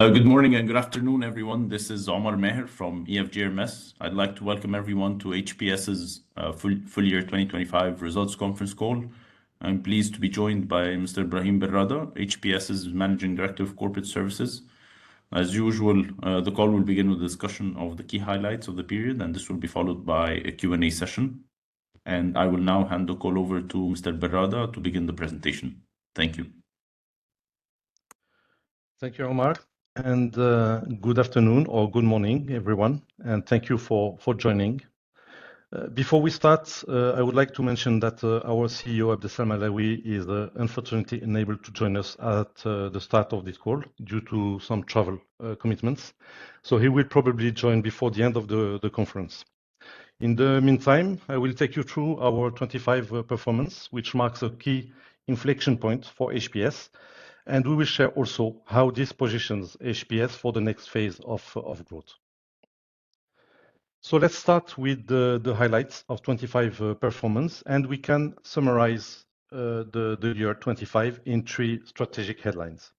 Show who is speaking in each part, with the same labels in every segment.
Speaker 1: Good morning and good afternoon, everyone. This is Omar Maher from EFG Hermes. I'd like to welcome everyone to HPS's Full-Year 2025 Results Conference Call. I'm pleased to be joined by Mr. Brahim Berrada, HPS's Managing Director of Corporate Services. As usual, the call will begin with a discussion of the key highlights of the period, and this will be followed by a Q&A session. I will now hand the call over to Mr. Berrada to begin the presentation. Thank you.
Speaker 2: Thank you, Omar, and good afternoon or good morning, everyone, and thank you for joining. Before we start, I would like to mention that our CEO, Abdeslam Alaoui Smaili, is unfortunately unable to join us at the start of this call due to some travel commitments. He will probably join before the end of the conference. In the meantime, I will take you through our 2025 performance, which marks a key inflection point for HPS, and we will share also how this positions HPS for the next phase of growth. Let's start with the highlights of 2025 performance, and we can summarize the year 2025 in three strategic headlines.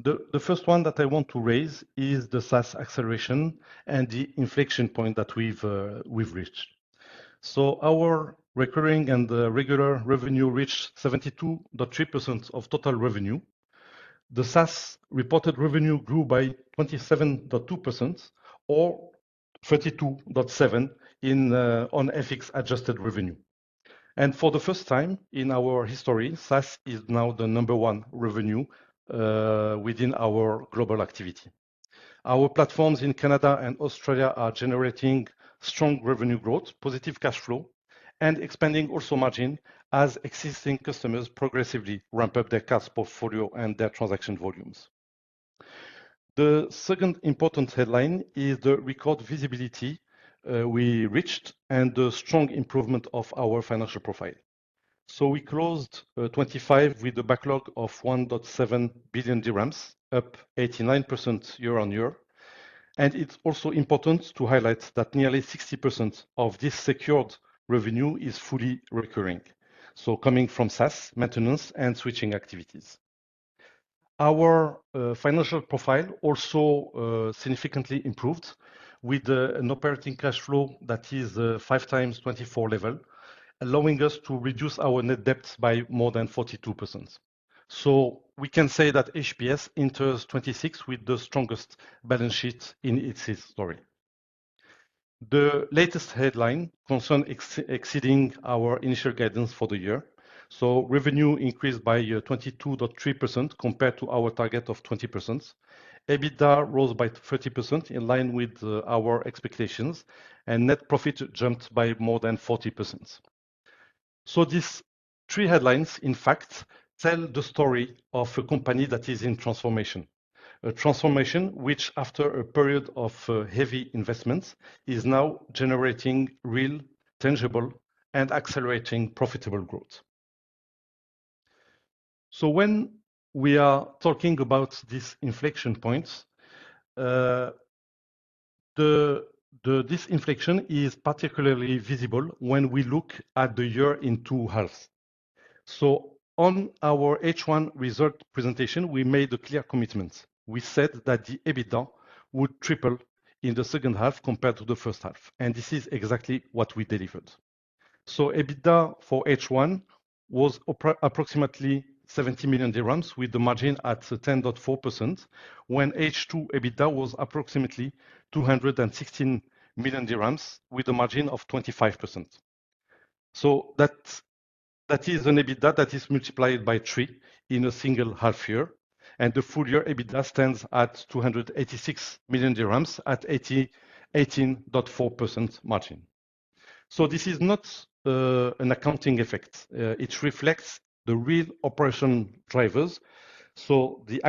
Speaker 2: The first one that I want to raise is the SaaS acceleration and the inflection point that we've reached. Our recurring and regular revenue reached 72.3% of total revenue. The SaaS reported revenue grew by 27.2% or 32.7% on FX-adjusted revenue. For the first time in our history, SaaS is now the number one revenue within our global activity. Our platforms in Canada and Australia are generating strong revenue growth, positive cash flow, and expanding also margin as existing customers progressively ramp up their CaaS portfolio and their transaction volumes. The second important headline is the record visibility we reached and the strong improvement of our financial profile. We closed 2025 with a backlog of MAD 1.7 billion, up 89% year-on-year. It's also important to highlight that nearly 60% of this secured revenue is fully recurring, so coming from SaaS, maintenance, and switching activities. Our financial profile also significantly improved with an operating cash flow that is 5x 2024 level, allowing us to reduce our net debt by more than 42%. We can say that HPS enters 2026 with the strongest balance sheet in its history. The latest headlines concerning exceeding our initial guidance for the year. Revenue increased by 22.3% compared to our target of 20%. EBITDA rose by 30% in line with our expectations, and net profit jumped by more than 40%. These three headlines, in fact, tell the story of a company that is in transformation. A transformation which after a period of heavy investments is now generating real, tangible and accelerating profitable growth. When we are talking about these inflection points, this inflection is particularly visible when we look at the year in two halves. On our H1 results presentation, we made a clear commitment. We said that the EBITDA would triple in the second half compared to the first half, and this is exactly what we delivered. EBITDA for H1 was approximately MAD 70 million with the margin at 10.4%, when H2 EBITDA was approximately MAD 216 million with a margin of 25%. That is an EBITDA that is multiplied by three in a single half year, and the full-year EBITDA stands at MAD 286 million at 18.4% margin. This is not an accounting effect. It reflects the real operational drivers. The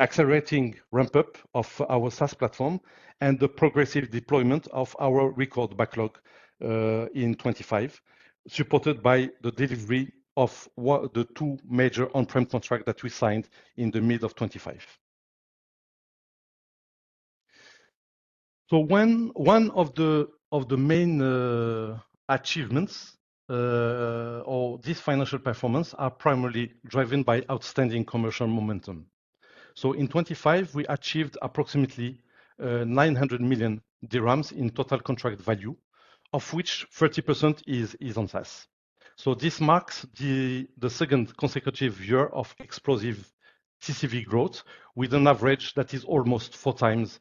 Speaker 2: accelerating ramp-up of our SaaS platform and the progressive deployment of our record backlog in 2025, supported by the delivery of the two major on-prem contract that we signed in the mid of 2025. One of the main achievements of these financial performance are primarily driven by outstanding commercial momentum. In 2025, we achieved approximately MAD 900 million in total contract value, of which 30% is on SaaS. This marks the second consecutive year of explosive TCV growth with an average that is almost 4x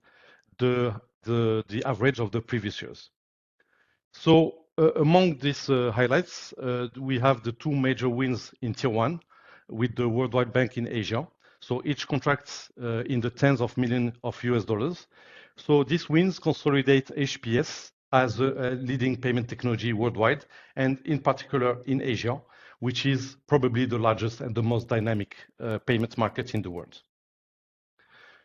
Speaker 2: the average of the previous years. Among these highlights, we have the two major wins in tier one with the Worldwide Bank in Asia. Each contracts in the tens of millions of U.S. dollars. These wins consolidate HPS as a leading payment technology worldwide, and in particular in Asia, which is probably the largest and the most dynamic payment market in the world.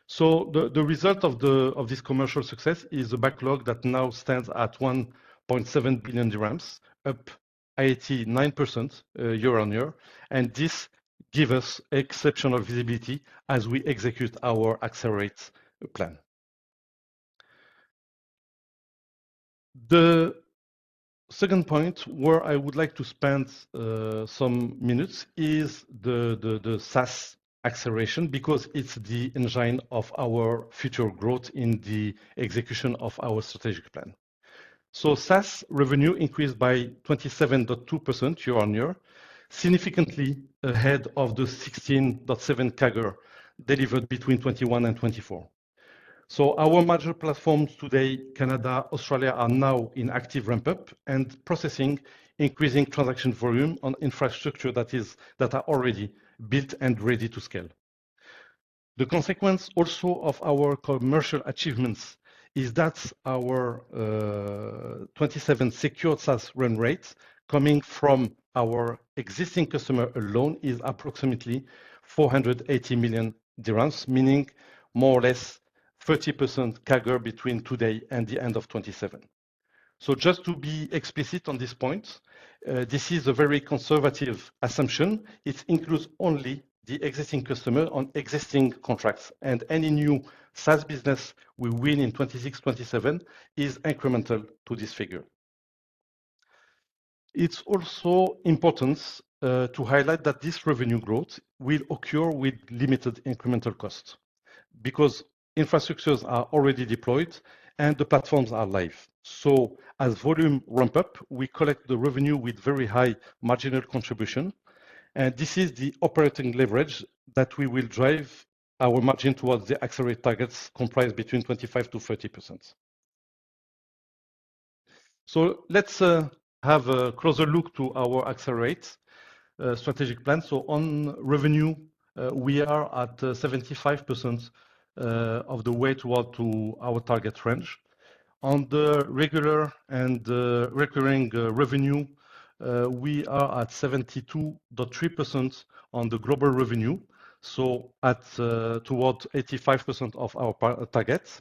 Speaker 2: The result of this commercial success is a backlog that now stands at MAD 1.7 billion, up 89% year-on-year. This gives us exceptional visibility as we execute our AccelR8 plan. The second point where I would like to spend some minutes is the SaaS acceleration because it's the engine of our future growth in the execution of our strategic plan. SaaS revenue increased by 27.2% year-on-year, significantly ahead of the 16.7% CAGR delivered between 2021 and 2024. Our major platforms today, Canada, Australia, are now in active ramp up and processing increasing transaction volume on infrastructure that are already built and ready to scale. The consequence also of our commercial achievements is that our 2027 secured SaaS run rates coming from our existing customer alone is approximately MAD 480 million, meaning more or less 30% CAGR between today and the end of 2027. Just to be explicit on this point, this is a very conservative assumption. It includes only the existing customer on existing contracts, and any new SaaS business we win in 2026, 2027 is incremental to this figure. It's also important to highlight that this revenue growth will occur with limited incremental cost because infrastructures are already deployed and the platforms are live. As volume ramp up, we collect the revenue with very high marginal contribution, and this is the operating leverage that we will drive our margin toward the AccelR8 targets comprised between 25%-30%. Let's have a closer look at our AccelR8 strategic plan. On revenue, we are at 75% of the way toward our target range. On the regular and recurring revenue, we are at 72.3% on the global revenue, so at toward 85% of our target.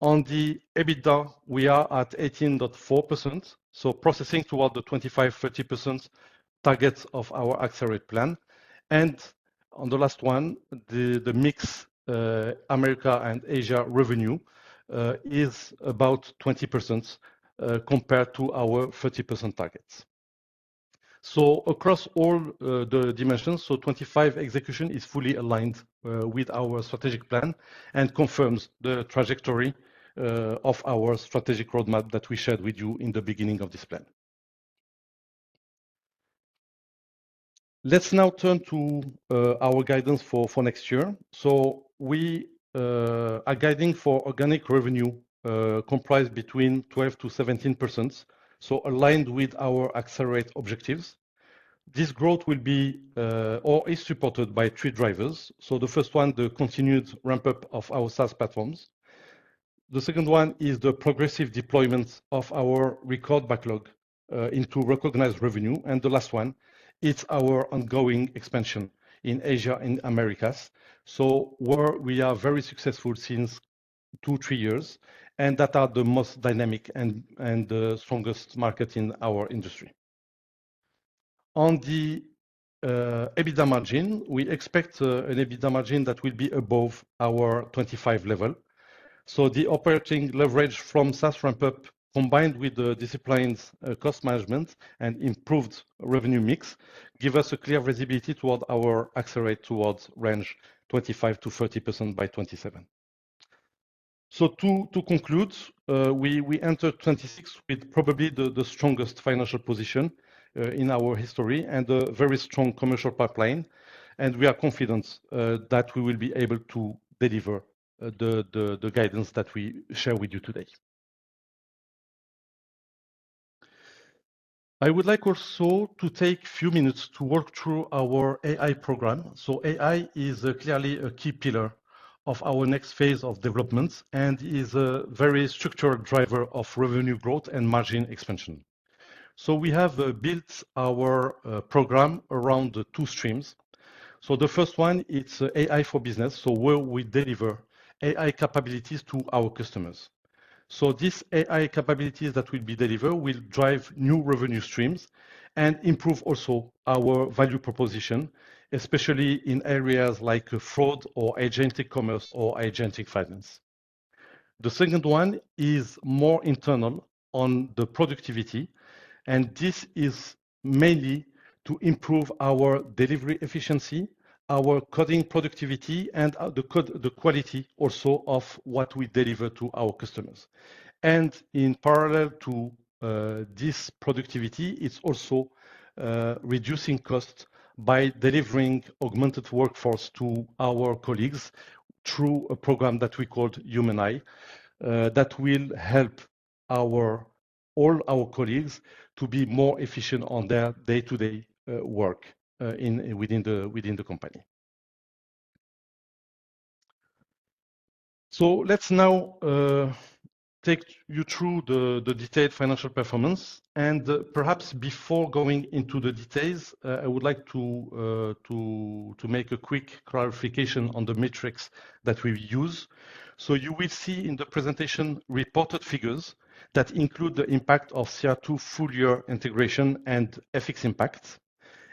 Speaker 2: On the EBITDA, we are at 18.4%, so progressing toward the 25%-30% target of our AccelR8 plan. On the last one, the mix, America and Asia revenue is about 20%, compared to our 30% target. Across all the dimensions, 2025 execution is fully aligned with our strategic plan and confirms the trajectory of our strategic roadmap that we shared with you in the beginning of this plan. Let's now turn to our guidance for next year. We are guiding for organic revenue comprised between 12%-17%, aligned with our AccelR8 objectives. This growth is supported by three drivers. The first one, the continued ramp up of our SaaS platforms. The second one is the progressive deployment of our record backlog into recognized revenue. And the last one, it's our ongoing expansion in Asia and Americas. We are very successful since two, three years, and that are the most dynamic and strongest market in our industry. On the EBITDA margin, we expect an EBITDA margin that will be above our 25% level. The operating leverage from SaaS ramp-up combined with the disciplined cost management and improved revenue mix give us a clear visibility toward our AccelR8 towards range 25%-30% by 2027. To conclude, we enter 2026 with probably the strongest financial position in our history and a very strong commercial pipeline, and we are confident that we will be able to deliver the guidance that we share with you today. I would like also to take few minutes to walk through our AI program. AI is clearly a key pillar of our next phase of development and is a very structured driver of revenue growth and margin expansion. We have built our program around two streams. The first one, it's AI for Business, so where we deliver AI capabilities to our customers. This AI capabilities that will be delivered will drive new revenue streams and improve also our value proposition, especially in areas like fraud or agentic commerce or agentic finance. The second one is more internal on the productivity, and this is mainly to improve our delivery efficiency, our coding productivity, and the quality also of what we deliver to our customers. In parallel to this productivity, it's also reducing costs by delivering augmented workforce to our colleagues through a program that we called Human Eye, that will help all our colleagues to be more efficient on their day-to-day work within the company. Let's now take you through the detailed financial performance. Perhaps before going into the details, I would like to make a quick clarification on the metrics that we use. You will see in the presentation reported figures that include the impact of CR2 full-year integration and FX impact.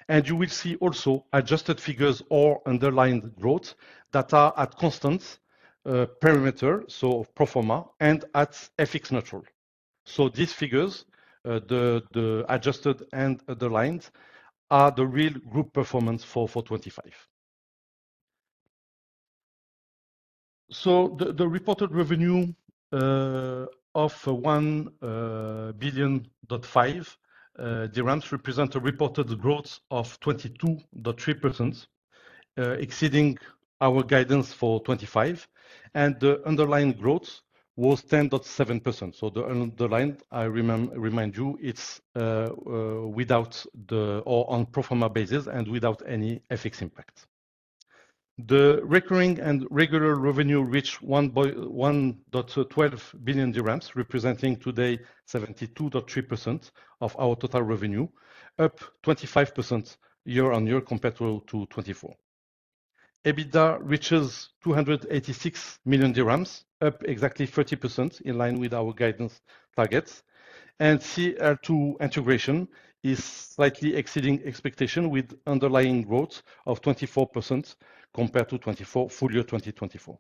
Speaker 2: You will see also adjusted figures or underlying growth that are at constant perimeter, so pro forma, and at FX neutral. These figures, the adjusted and the lines are the real group performance for 2025. The reported revenue of MAD 1.5 billion represents a reported growth of 22.3%, exceeding our guidance for 2025, and the underlying growth was 10.7%. The underlying, I remind you, it's without the one-off or on pro forma basis and without any FX impact. The recurring and regular revenue reached MAD 1.12 billion, representing 72.3% of our total revenue, up 25% year-on-year compared to 2024. EBITDA reaches MAD 286 million, up exactly 30% in line with our guidance targets. CR2 integration is slightly exceeding expectation with underlying growth of 24% compared to full-year 2024.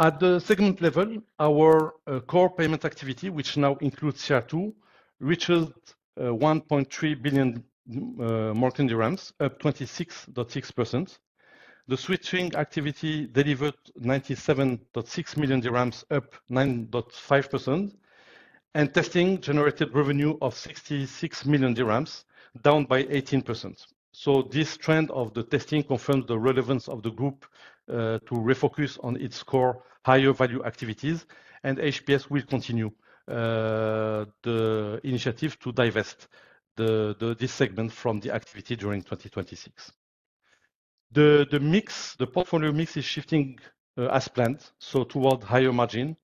Speaker 2: At the segment level, our core payment activity, which now includes CR2, reached MAD 1.3 billion, up 26.6%. The switching activity delivered MAD 97.6 million, up 9.5%. Testing generated revenue of MAD 66 million, down by 18%. This trend of the testing confirms the relevance of the group to refocus on its core higher value activities, and HPS will continue the initiative to divest this segment from the activity during 2026. The portfolio mix is shifting as planned toward higher margin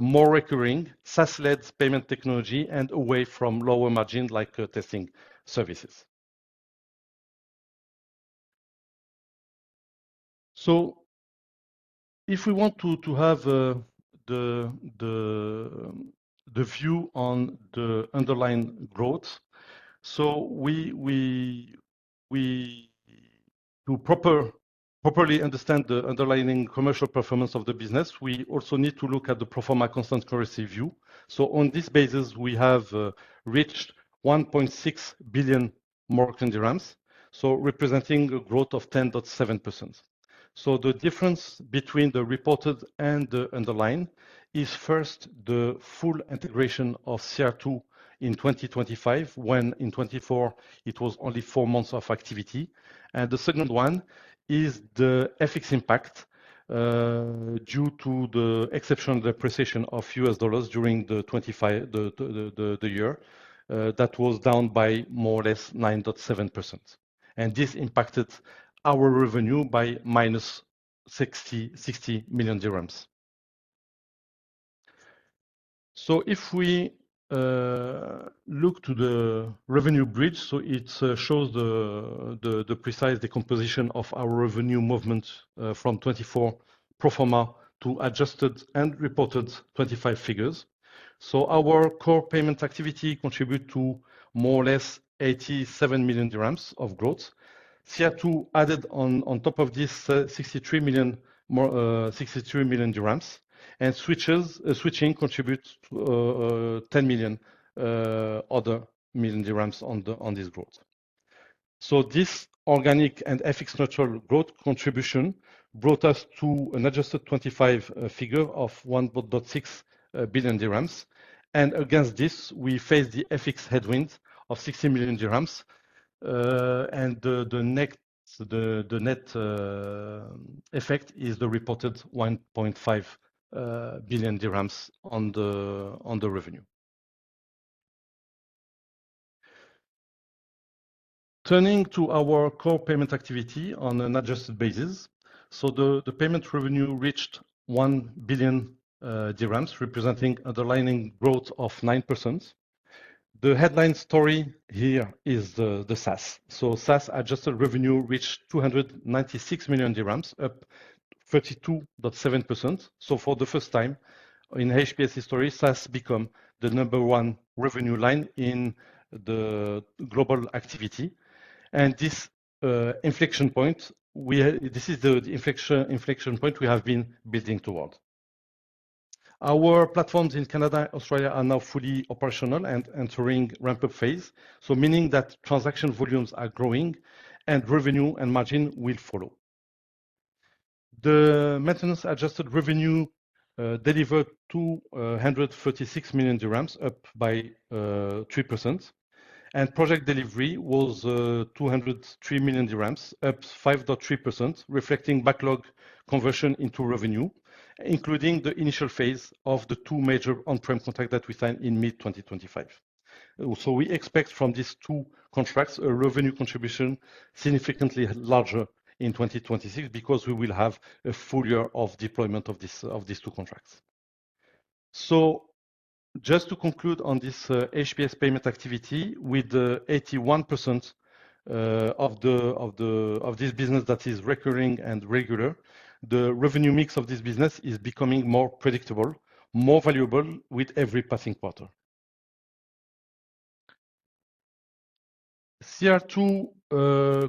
Speaker 2: more recurring SaaS-led payment technology and away from lower margin like testing services. If we want to have the view on the underlying growth to properly understand the underlying commercial performance of the business, we also need to look at the pro forma constant currency view. On this basis, we have reached MAD 1.6 billion, representing a growth of 10.7%. The difference between the reported and the underlying is first the full integration of CR2 in 2025, when in 2024 it was only four months of activity. The second one is the FX impact due to the exceptional depreciation of U.S. dollars during 2025 that was down by more or less 9.7%. This impacted our revenue by -MAD 60 million. If we look to the revenue bridge, it shows the precise decomposition of our revenue movement from 2024 pro forma to adjusted and reported 2025 figures. Our core payment activity contributes to more or less MAD 87 million of growth. CR2 added on top of this MAD 63 million. Switching contributes MAD 10 million, another million dirhams on this growth. This organic and FX natural growth contribution brought us to an adjusted 25 figure of MAD 1.6 billion. Against this, we face the FX headwind of MAD 60 million. The net effect is the reported MAD 1.5 billion on the revenue. Turning to our core payment activity on an adjusted basis. The payment revenue reached MAD 1 billion, representing underlying growth of 9%. The headline story here is the SaaS. SaaS adjusted revenue reached MAD 296 million, up 32.7%. For the first time in HPS history, SaaS become the number one revenue line in the global activity. This is the inflection point we have been building toward. Our platforms in Canada, Australia are now fully operational and entering ramp-up phase, meaning that transaction volumes are growing, and revenue and margin will follow. The maintenance adjusted revenue delivered MAD 236 million, up 3%. Project delivery was MAD 203 million, up 5.3%, reflecting backlog conversion into revenue, including the initial phase of the two major on-prem contract that we signed in mid-2025. We expect from these two contracts a revenue contribution significantly larger in 2026 because we will have a full year of deployment of these two contracts. Just to conclude on this, HPS payment activity with 81% of this business that is recurring and regular, the revenue mix of this business is becoming more predictable, more valuable with every passing quarter. CR2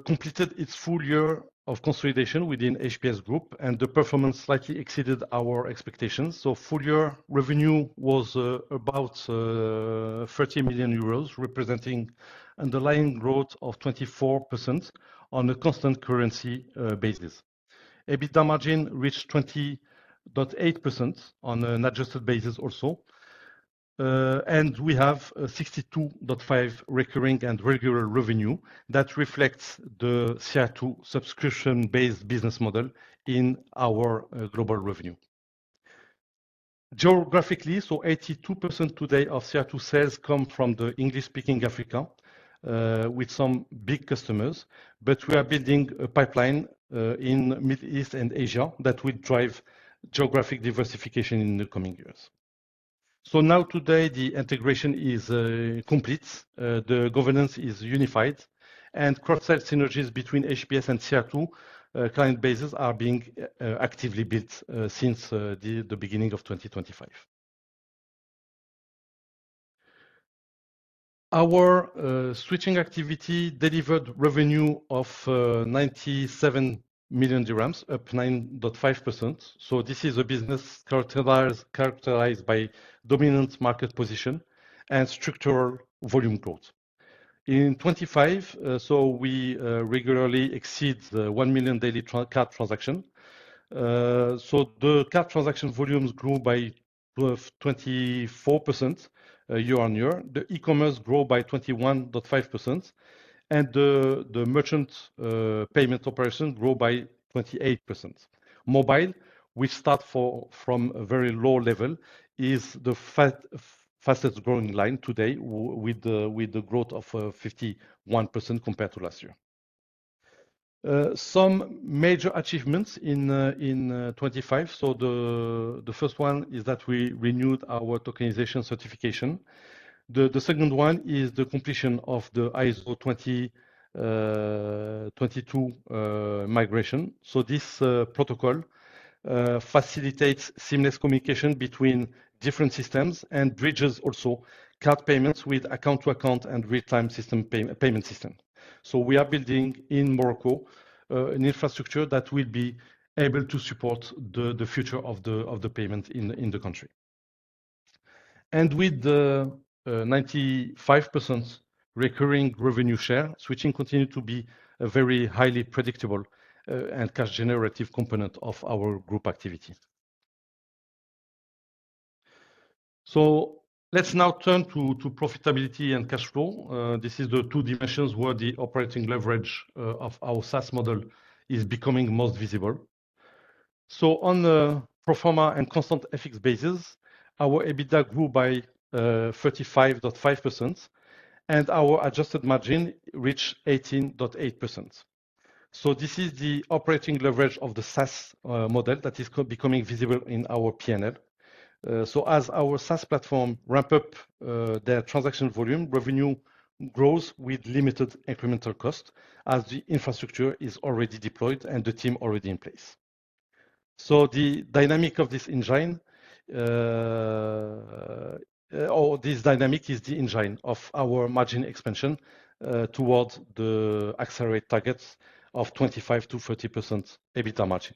Speaker 2: completed its full year of consolidation within HPS Group, and the performance slightly exceeded our expectations. Full-year revenue was about 30 million euros representing underlying growth of 24% on a constant currency basis. EBITDA margin reached 20.8% on an adjusted basis also. And we have 62.5% recurring and regular revenue that reflects the CR2 subscription-based business model in our global revenue. Geographically, 82% today of CR2 sales come from English-speaking Africa with some big customers. We are building a pipeline in Middle East and Asia that will drive geographic diversification in the coming years. Now today the integration is complete, the governance is unified, and cross-sell synergies between HPS and CR2 client bases are being actively built since the beginning of 2025. Our switching activity delivered revenue of MAD 97 million, up 9.5%. This is a business characterized by dominant market position and structural volume growth. In 2025, we regularly exceed the 1 million daily card transaction. The card transaction volumes grew by 24% year-on-year. The e-commerce grew by 21.5%, and the merchant payment operation grew by 28%. Mobile, from a very low level, is the fastest growing line today with the growth of 51% compared to last year. Some major achievements in 2025. The first one is that we renewed our tokenization certification. The second one is the completion of the ISO 20022 migration. This protocol facilitates seamless communication between different systems, and bridges also card payments with account-to-account and real-time payment system. We are building in Morocco an infrastructure that will be able to support the future of the payment in the country. With the 95% recurring revenue share, switching continue to be a very highly predictable and cash generative component of our group activity. Let's now turn to profitability and cash flow. This is the two dimensions where the operating leverage of our SaaS model is becoming most visible. On the pro forma and constant FX basis, our EBITDA grew by 35.5%, and our adjusted margin reached 18.8%. This is the operating leverage of the SaaS model that is now becoming visible in our P&L. As our SaaS platform ramp up their transaction volume, revenue grows with limited incremental cost as the infrastructure is already deployed and the team already in place. This dynamic is the engine of our margin expansion towards the AccelR8 targets of 25%-30% EBITDA margin.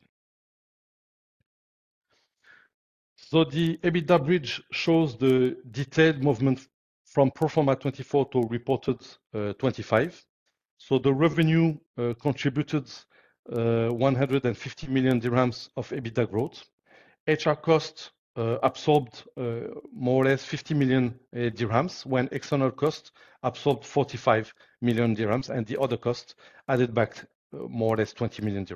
Speaker 2: The EBITDA bridge shows the detailed movement from pro forma 2024 to reported 2025. The revenue contributed MAD 150 million of EBITDA growth. HR costs absorbed more or less MAD 50 million, when external costs absorbed MAD 45 million, and the other costs added back more or less MAD 20 million.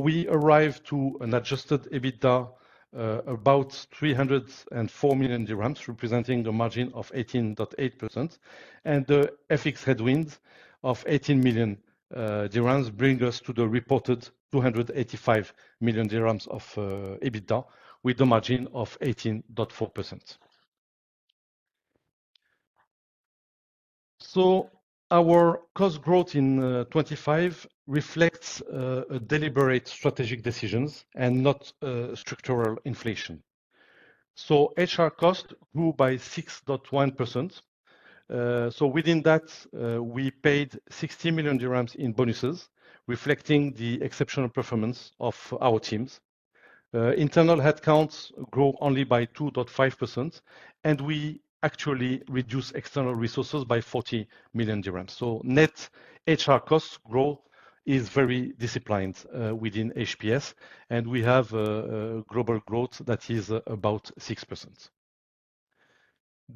Speaker 2: We arrive to an adjusted EBITDA about MAD 304 million, representing the margin of 18.8%. The FX headwinds of MAD 18 million bring us to the reported MAD 285 million of EBITDA, with the margin of 18.4%. Our cost growth in 2025 reflects a deliberate strategic decisions and not structural inflation. HR costs grew by 6.1%. Within that, we paid MAD 60 million in bonuses, reflecting the exceptional performance of our teams. Internal headcounts grow only by 2.5%, and we actually reduce external resources by MAD 40 million. Net HR costs growth is very disciplined within HPS, and we have global growth that is about 6%.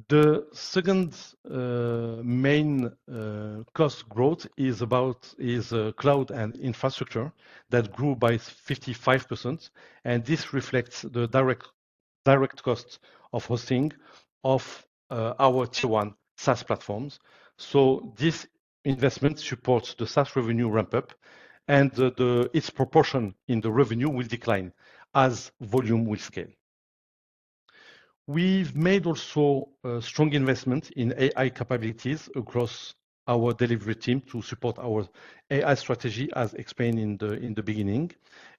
Speaker 2: The second main cost growth is cloud and infrastructure that grew by 55%, and this reflects the direct cost of hosting of our Tier 1 SaaS platforms. This investment supports the SaaS revenue ramp-up, and its proportion in the revenue will decline as volume will scale. We've made also strong investment in AI capabilities across our delivery team to support our AI strategy, as explained in the beginning.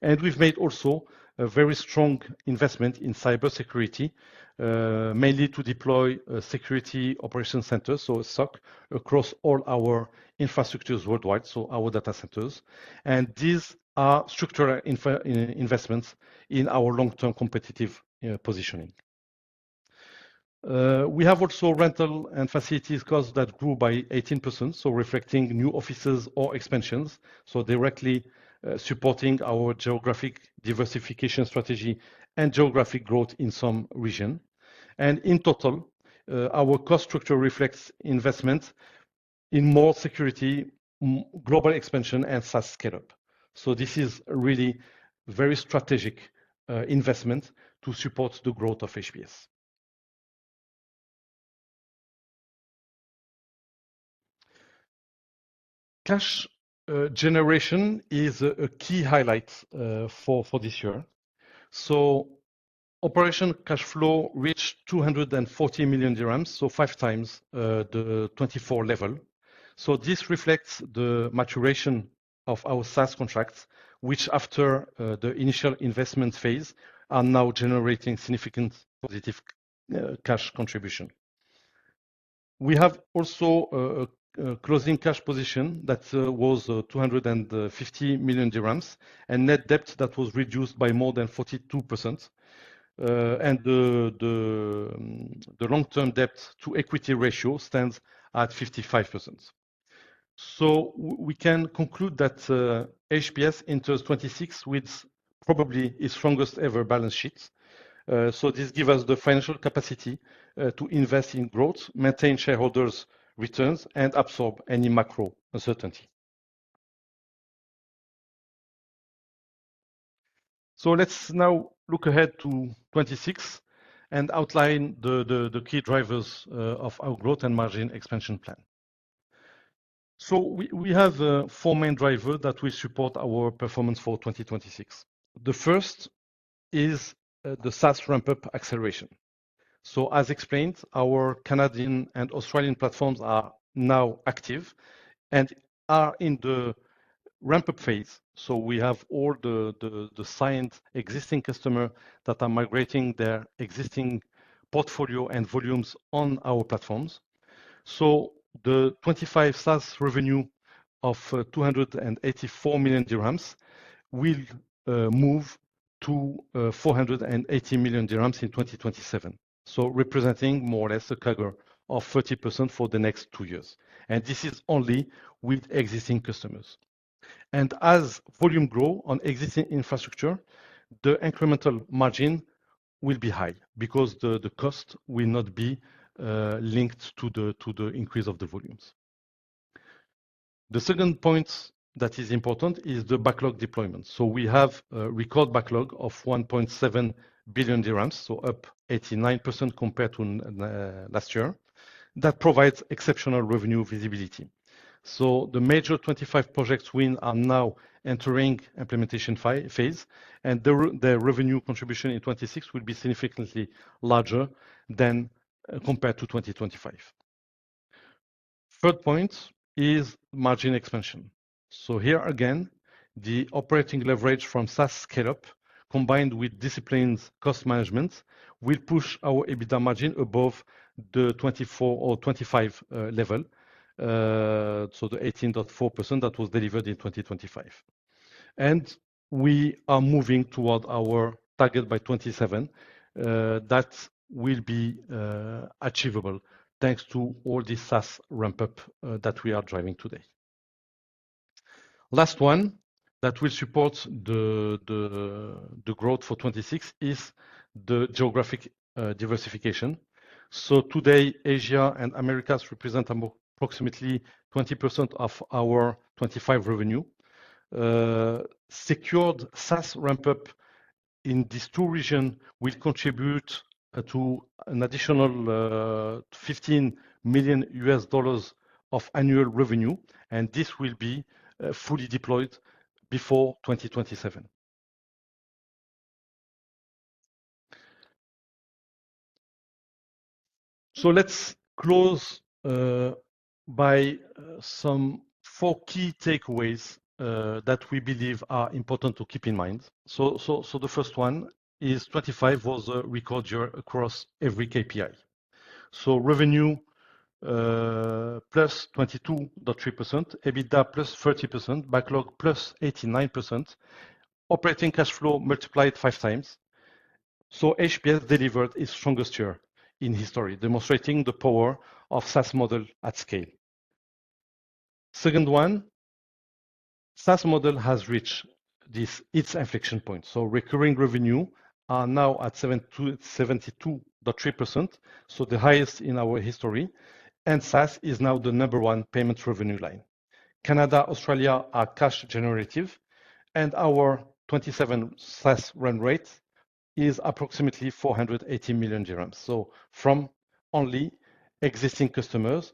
Speaker 2: We've made also a very strong investment in cybersecurity, mainly to deploy a security operations center, so a SOC, across all our infrastructures worldwide, so our data centers. These are structural investments in our long-term competitive positioning. We have also rental and facilities costs that grew by 18%, reflecting new offices or expansions, directly supporting our geographic diversification strategy and geographic growth in some region. In total, our cost structure reflects investment in more security, global expansion, and SaaS scale-up. This is really very strategic investment to support the growth of HPS. Cash generation is a key highlight for this year. Operating cash flow reached MAD 240 million, 5x the 2024 level. This reflects the maturation of our SaaS contracts, which, after the initial investment phase, are now generating significant positive cash contribution. We have also a closing cash position that was MAD 250 million, and net debt that was reduced by more than 42%. The long-term debt to equity ratio stands at 55%. We can conclude that HPS enters 2026 with probably its strongest ever balance sheet. This gives us the financial capacity to invest in growth, maintain shareholders' returns, and absorb any macro uncertainty. Let's now look ahead to 2026 and outline the key drivers of our growth and margin expansion plan. We have four main driver that will support our performance for 2026. The first is the SaaS ramp-up acceleration. As explained, our Canadian and Australian platforms are now active and are in the ramp-up phase. We have all the signed existing customer that are migrating their existing portfolio and volumes on our platforms. The 2025 SaaS revenue of MAD 284 million will move to MAD 480 million in 2027. Representing more or less a CAGR of 30% for the next two years. This is only with existing customers. As volume grow on existing infrastructure, the incremental margin will be high because the cost will not be linked to the increase of the volumes. The second point that is important is the backlog deployment. We have a record backlog of MAD 1.7 billion, up 89% compared to last year. That provides exceptional revenue visibility. The major 25 projects win are now entering implementation phase, and the revenue contribution in 2026 will be significantly larger than compared to 2025. Third point is margin expansion. Here again, the operating leverage from SaaS scale-up combined with disciplined cost management will push our EBITDA margin above the 24% or 25% level. The 18.4% that was delivered in 2025, and we are moving toward our target by 2027 that will be achievable thanks to all the SaaS ramp-up that we are driving today. Last one that will support the growth for 2026 is the geographic diversification. Today, Asia and Americas represent approximately 20% of our 2025 revenue. Secured SaaS ramp-up in these two region will contribute to an additional $15 million of annual revenue, and this will be fully deployed before 2027. Let's close by some four key takeaways that we believe are important to keep in mind. The first one is 2025 was a record year across every KPI. Revenue, +22.3%, EBITDA, +30%, backlog, +89%, operating cash flow multiplied 5x. HPS delivered its strongest year in history, demonstrating the power of SaaS model at scale. Second one, SaaS model has reached its inflection point. Recurring revenue are now at 72.3%, the highest in our history. SaaS is now the number one payment revenue line. Canada, Australia are cash generative, and our 2027 SaaS run rate is approximately MAD 480 million from only existing customers.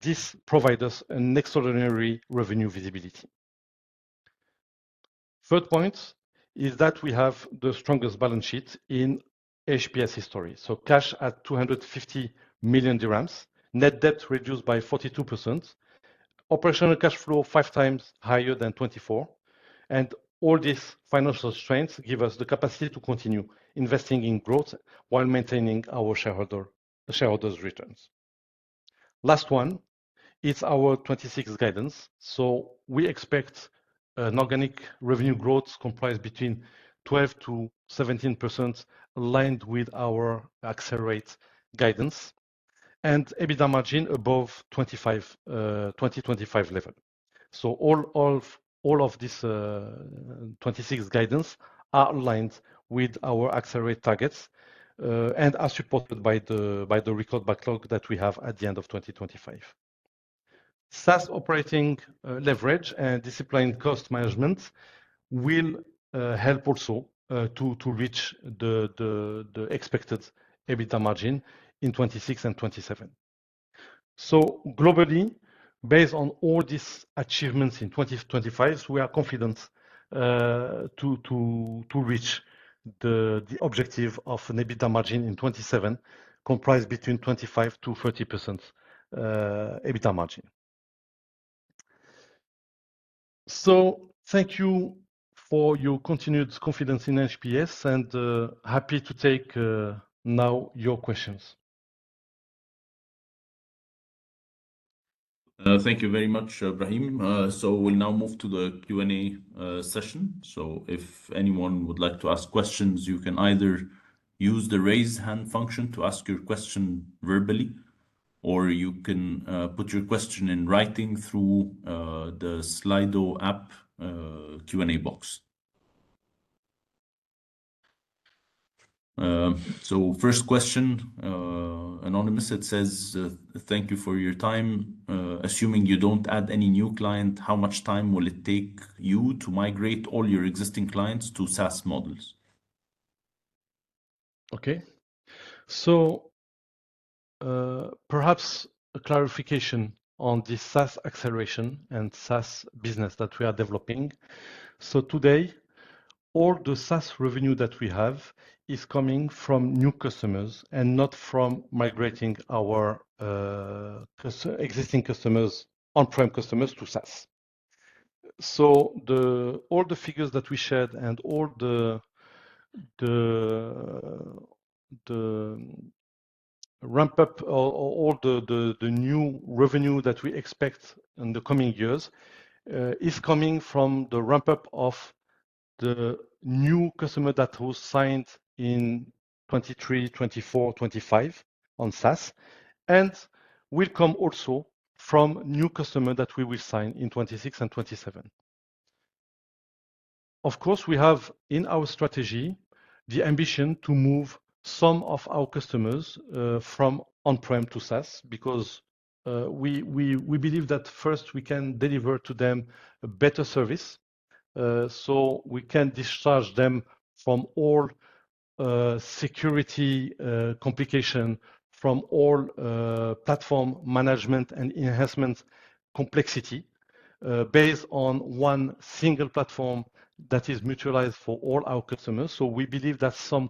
Speaker 2: This provide us an extraordinary revenue visibility. Third point is that we have the strongest balance sheet in HPS history. Cash at MAD 250 million. Net debt reduced by 42%. Operational cash flow 5x higher than 2024. All these financial strengths give us the capacity to continue investing in growth while maintaining our shareholders' returns. Last one, it's our 2026 guidance. We expect an organic revenue growth comprised between 12%-17% aligned with our AccelR8 guidance and EBITDA margin above 2025 level. All of this 2026 guidance are aligned with our AccelR8 targets and as supported by the record backlog that we have at the end of 2025. SaaS operating leverage and disciplined cost management will help also to reach the expected EBITDA margin in 2026 and 2027. Globally, based on all these achievements in 2025, we are confident to reach the objective of an EBITDA margin in 2027 comprised between 25%-30% EBITDA margin. Thank you for your continued confidence in HPS and happy to take now your questions.
Speaker 1: Thank you very much, Brahim. We'll now move to the Q&A session. If anyone would like to ask questions, you can either use the raise hand function to ask your question verbally, or you can put your question in writing through the Slido app Q&A box. First question, anonymous. It says, "Thank you for your time. Assuming you don't add any new client, how much time will it take you to migrate all your existing clients to SaaS models?
Speaker 2: Okay. Perhaps a clarification on the SaaS acceleration and SaaS business that we are developing. Today, all the SaaS revenue that we have is coming from new customers and not from migrating our existing customers, on-prem customers to SaaS. All the figures that we shared and all the ramp up or all the new revenue that we expect in the coming years is coming from the ramp-up of the new customer that was signed in 2023, 2024, 2025 on SaaS. Will come also from new customer that we will sign in 2026 and 2027. Of course, we have in our strategy the ambition to move some of our customers from on-prem to SaaS because we believe that first we can deliver to them a better service, so we can discharge them from all security complication, from all platform management and enhancement complexity, based on one single platform that is mutualized for all our customers. We believe that some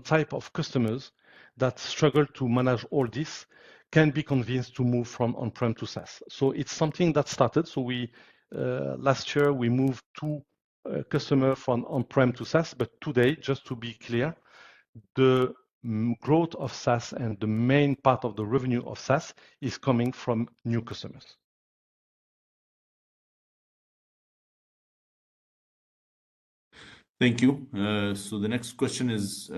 Speaker 2: type of customers that struggle to manage all this can be convinced to move from on-prem to SaaS. It's something that started. Last year we moved two customers from on-prem to SaaS. Today, just to be clear, the main growth of SaaS and the main part of the revenue of SaaS is coming from new customers.
Speaker 1: Thank you. The next question is,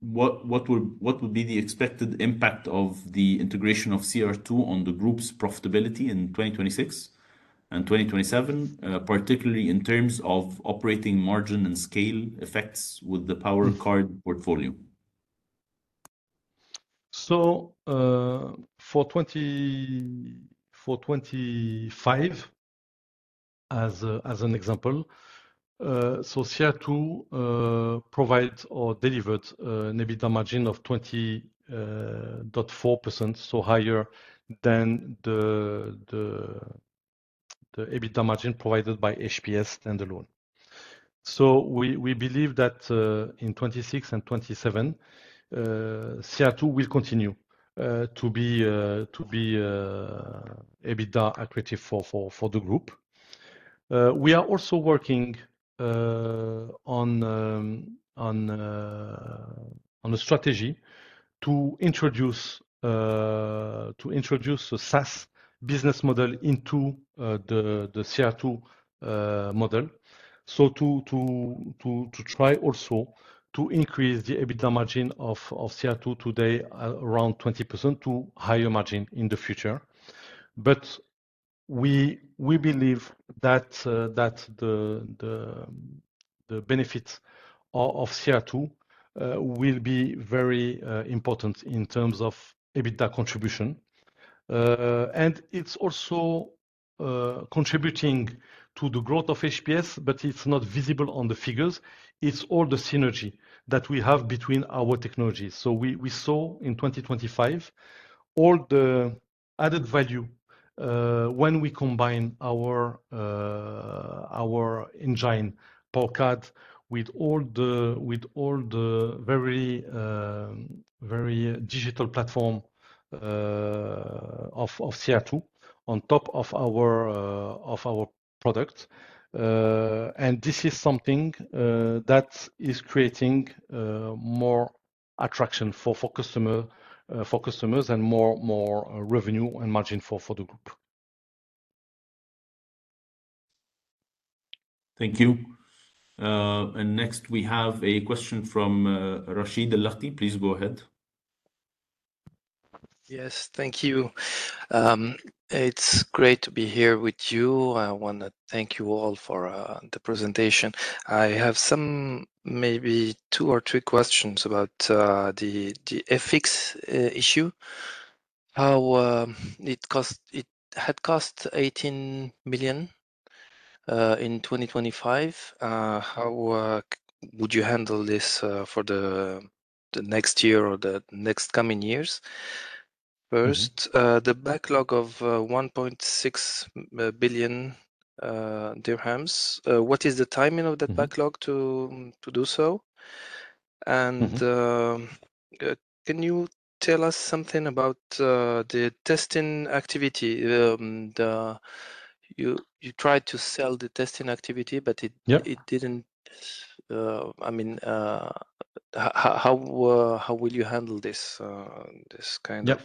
Speaker 1: what would be the expected impact of the integration of CR2 on the group's profitability in 2026 and 2027, particularly in terms of operating margin and scale effects with the PowerCARD portfolio?
Speaker 2: For 2025, as an example, CR2 provided or delivered an EBITDA margin of 20.4%, higher than the EBITDA margin provided by HPS standalone. We believe that in 2026 and 2027, CR2 will continue to be EBITDA accretive for the group. We are also working on a strategy to introduce the SaaS business model into the CR2 model. To try also to increase the EBITDA margin of CR2 today around 20% to higher margin in the future. We believe that the benefit of CR2 will be very important in terms of EBITDA contribution. It's also contributing to the growth of HPS, but it's not visible on the figures. It's all the synergy that we have between our technologies. We saw in 2025 all the added value when we combine our engine, PowerCARD, with all the very digital platform of CR2 on top of our product. This is something that is creating more attraction for customers and more revenue and margin for the group.
Speaker 1: Thank you. Next we have a question from Rachid Alaoui. Please go ahead.
Speaker 3: Yes. Thank you. It's great to be here with you. I wanna thank you all for the presentation. I have some maybe two or three questions about the FX issue. How it had cost MAD 18 million in 2025. How would you handle this for the next year or the next coming years? First, the backlog of MAD 1.6 billion. What is the timing of that backlog to do so? Can you tell us something about the testing activity? You tried to sell the testing activity, but it didn't— I mean, how will you handle this kind?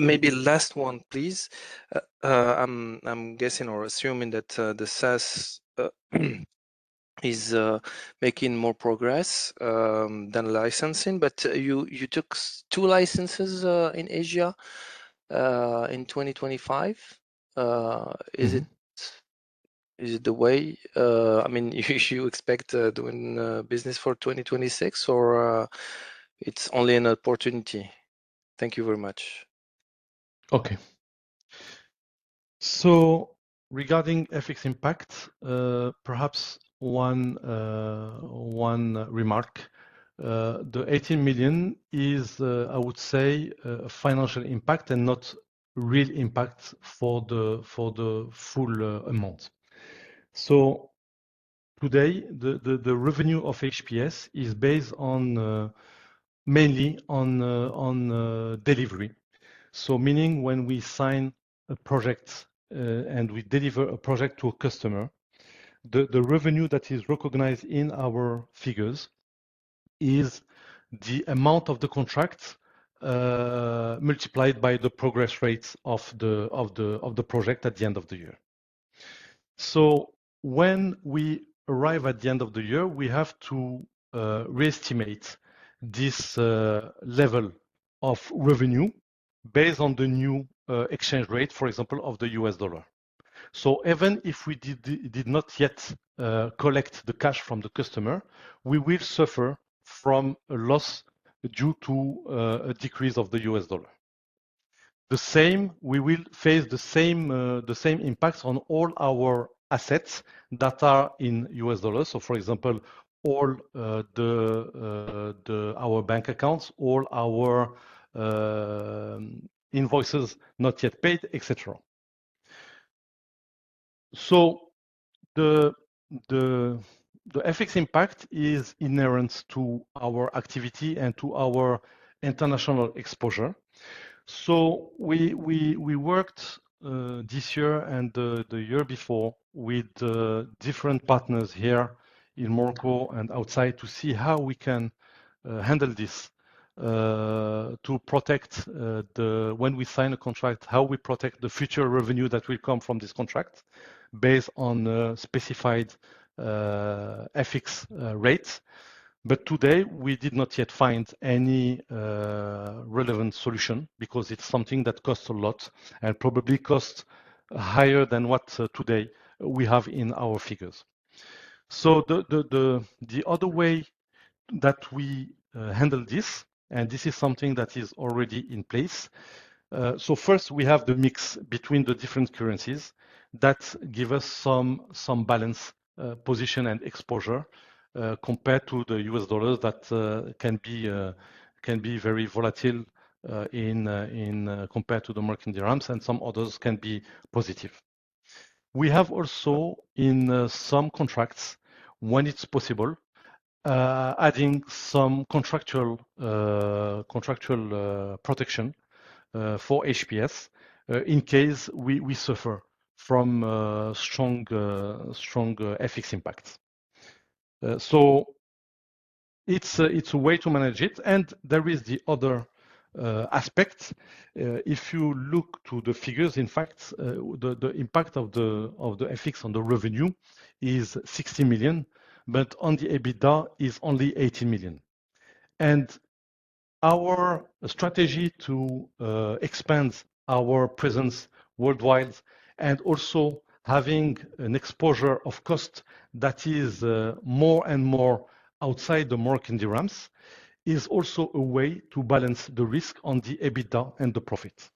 Speaker 3: Maybe last one, please. I'm guessing or assuming that the SaaS is making more progress than licensing. You took two licenses in Asia in 2025. Is it the way you expect doing business for 2026 or it's only an opportunity? Thank you very much.
Speaker 2: Okay. Regarding FX impact, perhaps one remark. The MAD 18 million is, I would say, a financial impact and not real impact for the full amount. Today the revenue of HPS is based mainly on delivery. Meaning when we sign a project and we deliver a project to a customer, the revenue that is recognized in our figures is the amount of the contract multiplied by the progress rates of the project at the end of the year. When we arrive at the end of the year, we have to re-estimate this level of revenue based on the new exchange rate, for example, of the U.S. dollar. Even if we did not yet collect the cash from the customer, we will suffer from a loss due to a decrease of the U.S. dollar. We will face the same impacts on all our assets that are in U.S. dollars. For example, our bank accounts, all our invoices not yet paid, et cetera. The FX impact is inherent to our activity and to our international exposure. We worked this year and the year before with different partners here in Morocco and outside to see how we can handle this to protect when we sign a contract, how we protect the future revenue that will come from this contract based on specified FX rates. Today, we did not yet find any relevant solution because it's something that costs a lot and probably costs higher than what today we have in our figures. The other way that we handle this, and this is something that is already in place. First we have the mix between the different currencies that give us some balance position and exposure compared to the U.S. dollars that can be very volatile compared to the Moroccan dirhams, and some others can be positive. We have also in some contracts, when it's possible, adding some contractual protection for HPS in case we suffer from strong FX impact. It's a way to manage it. There is the other aspect. If you look to the figures, in fact, the impact of the FX on the revenue is MAD 60 million, but on the EBITDA is only MAD 18 million. Our strategy to expand our presence worldwide and also having an exposure of cost that is more and more outside the Moroccan dirhams is also a way to balance the risk on the EBITDA and the profit.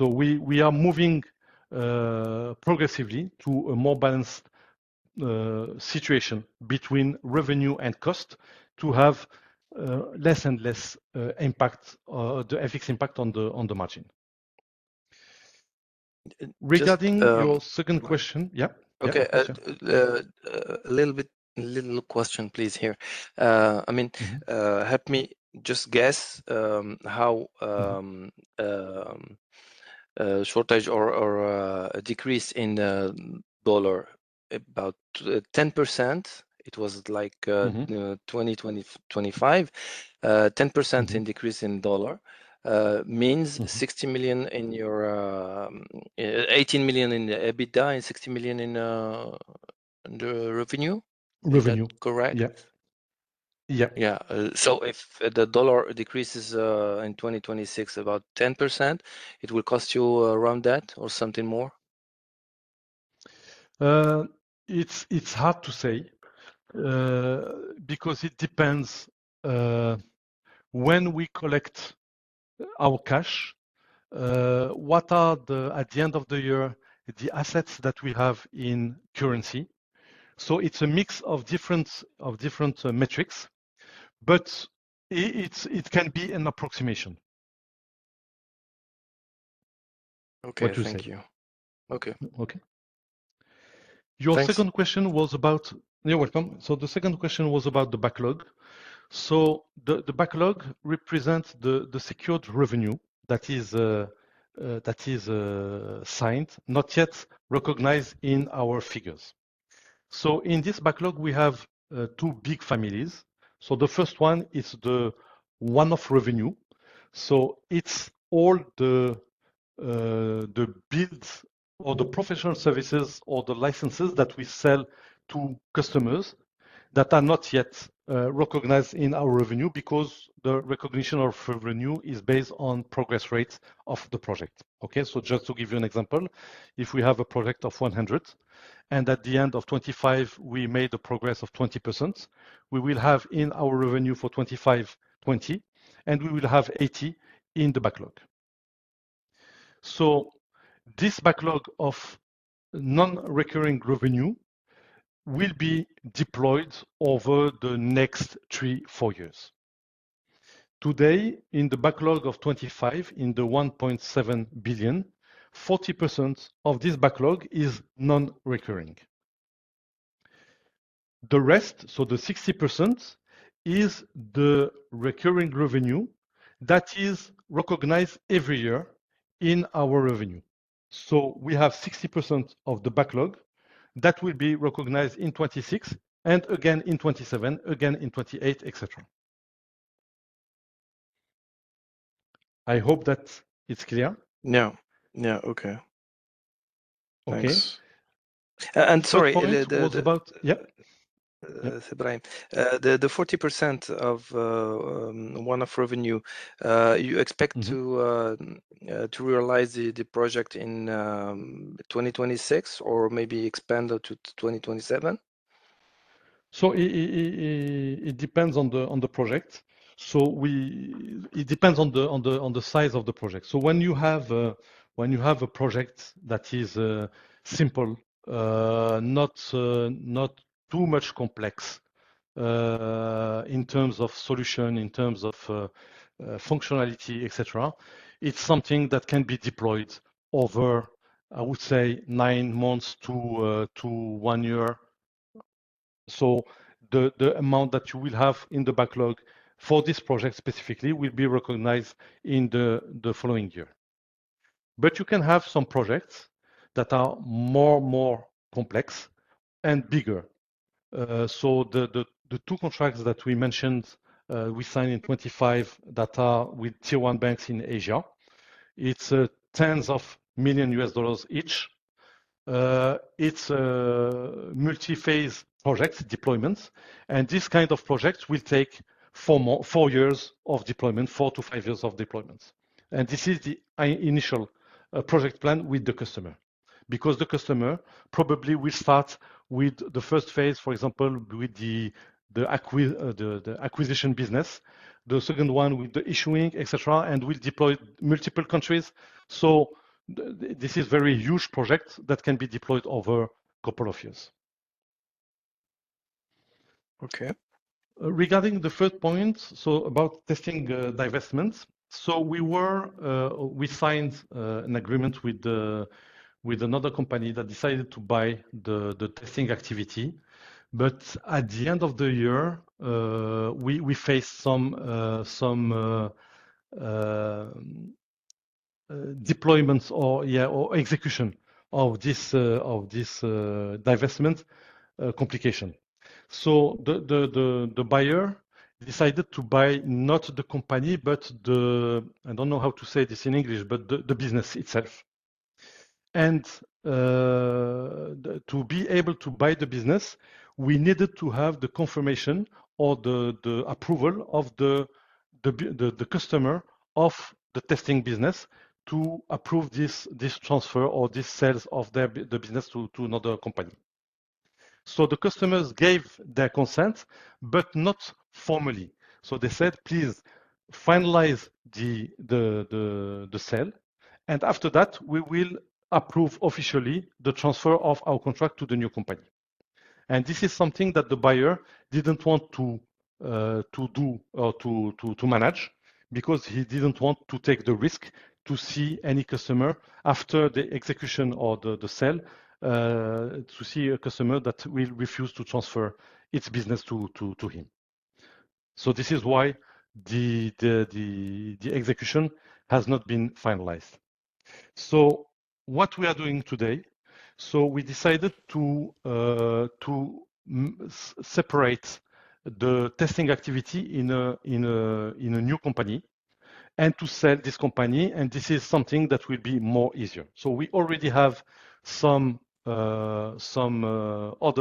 Speaker 2: We are moving progressively to a more balanced situation between revenue and cost to have less and less impact, the FX impact on the margin. Regarding your second question— Yeah.
Speaker 3: Okay. Little question please here. I mean, help me just guess how shortage or a decrease in the dollar about 10%. It was like 2025, 10% decrease in dollars means MAD 18 million in the EBITDA and MAD 60 million in the revenue.
Speaker 2: Revenue.
Speaker 3: Is that correct?
Speaker 2: Yeah. Yeah.
Speaker 3: Yeah. If the dollar decreases in 2026 about 10%, it will cost you around that or something more?
Speaker 2: It's hard to say because it depends when we collect our cash at the end of the year, the assets that we have in currency. So it's a mix of different metrics. It can be an approximation.
Speaker 3: Okay. Thank you. Okay.
Speaker 2: Your second question was about. You're welcome. The second question was about the backlog. The backlog represents the secured revenue that is signed, not yet recognized in our figures. In this backlog, we have two big families. The first one is the one-off revenue. It's all the builds or the professional services or the licenses that we sell to customers that are not yet recognized in our revenue because the recognition of revenue is based on progress rates of the project, okay? Just to give you an example, if we have a project of 100, and at the end of 2025, we made a progress of 20%, we will have in our revenue for 2025, 20, and we will have 80 in the backlog. This backlog of non-recurring revenue will be deployed over the next three, four years. Today, in the backlog of 2025, in the MAD 1.7 billion, 40% of this backlog is non-recurring. The rest, so the 60% is the recurring revenue that is recognized every year in our revenue. We have 60% of the backlog that will be recognized in 2026 and again in 2027, again in 2028, et cetera. I hope that it's clear.
Speaker 3: Yeah. Okay. Thanks. Sorry.
Speaker 2: What about? Yeah.
Speaker 3: Brahim, the 40% of one-off revenue, you expect to to realize the project in 2026 or maybe expand to 2027?
Speaker 2: It depends on the project. It depends on the size of the project. When you have a project that is simple, not too much complex, in terms of solution, in terms of functionality, et cetera, it's something that can be deployed over, I would say, nine months to one year. The amount that you will have in the backlog for this project specifically will be recognized in the following year. You can have some projects that are more complex and bigger. The two contracts that we mentioned, we signed in 2025 that are with tier one banks in Asia, it's tens of millions U.S. dollars each. It's a multi-phase project deployment, and this kind of project will take four to five years of deployment. This is the initial project plan with the customer because the customer probably will start with the first phase, for example, with the acquisition business. The second one with the issuing, et cetera, and will deploy multiple countries. This is very huge project that can be deployed over a couple of years. Regarding the third point, about testing divestment. We signed an agreement with another company that decided to buy the testing activity. At the end of the year, we faced some developments or execution of this divestment complication. The buyer decided to buy not the company, but the I don't know how to say this in English, but the business itself. To be able to buy the business, we needed to have the confirmation or the approval of the customer of the testing business to approve this transfer or this sale of the business to another company. The customers gave their consent, but not formally. They said, "Please finalize the sale, and after that we will approve officially the transfer of our contract to the new company." This is something that the buyer didn't want to do or to manage because he didn't want to take the risk to see any customer after the execution or the sale to see a customer that will refuse to transfer its business to him. This is why the execution has not been finalized. What we are doing today, we decided to separate the testing activity in a new company and to sell this company, and this is something that will be more easier. We already have some other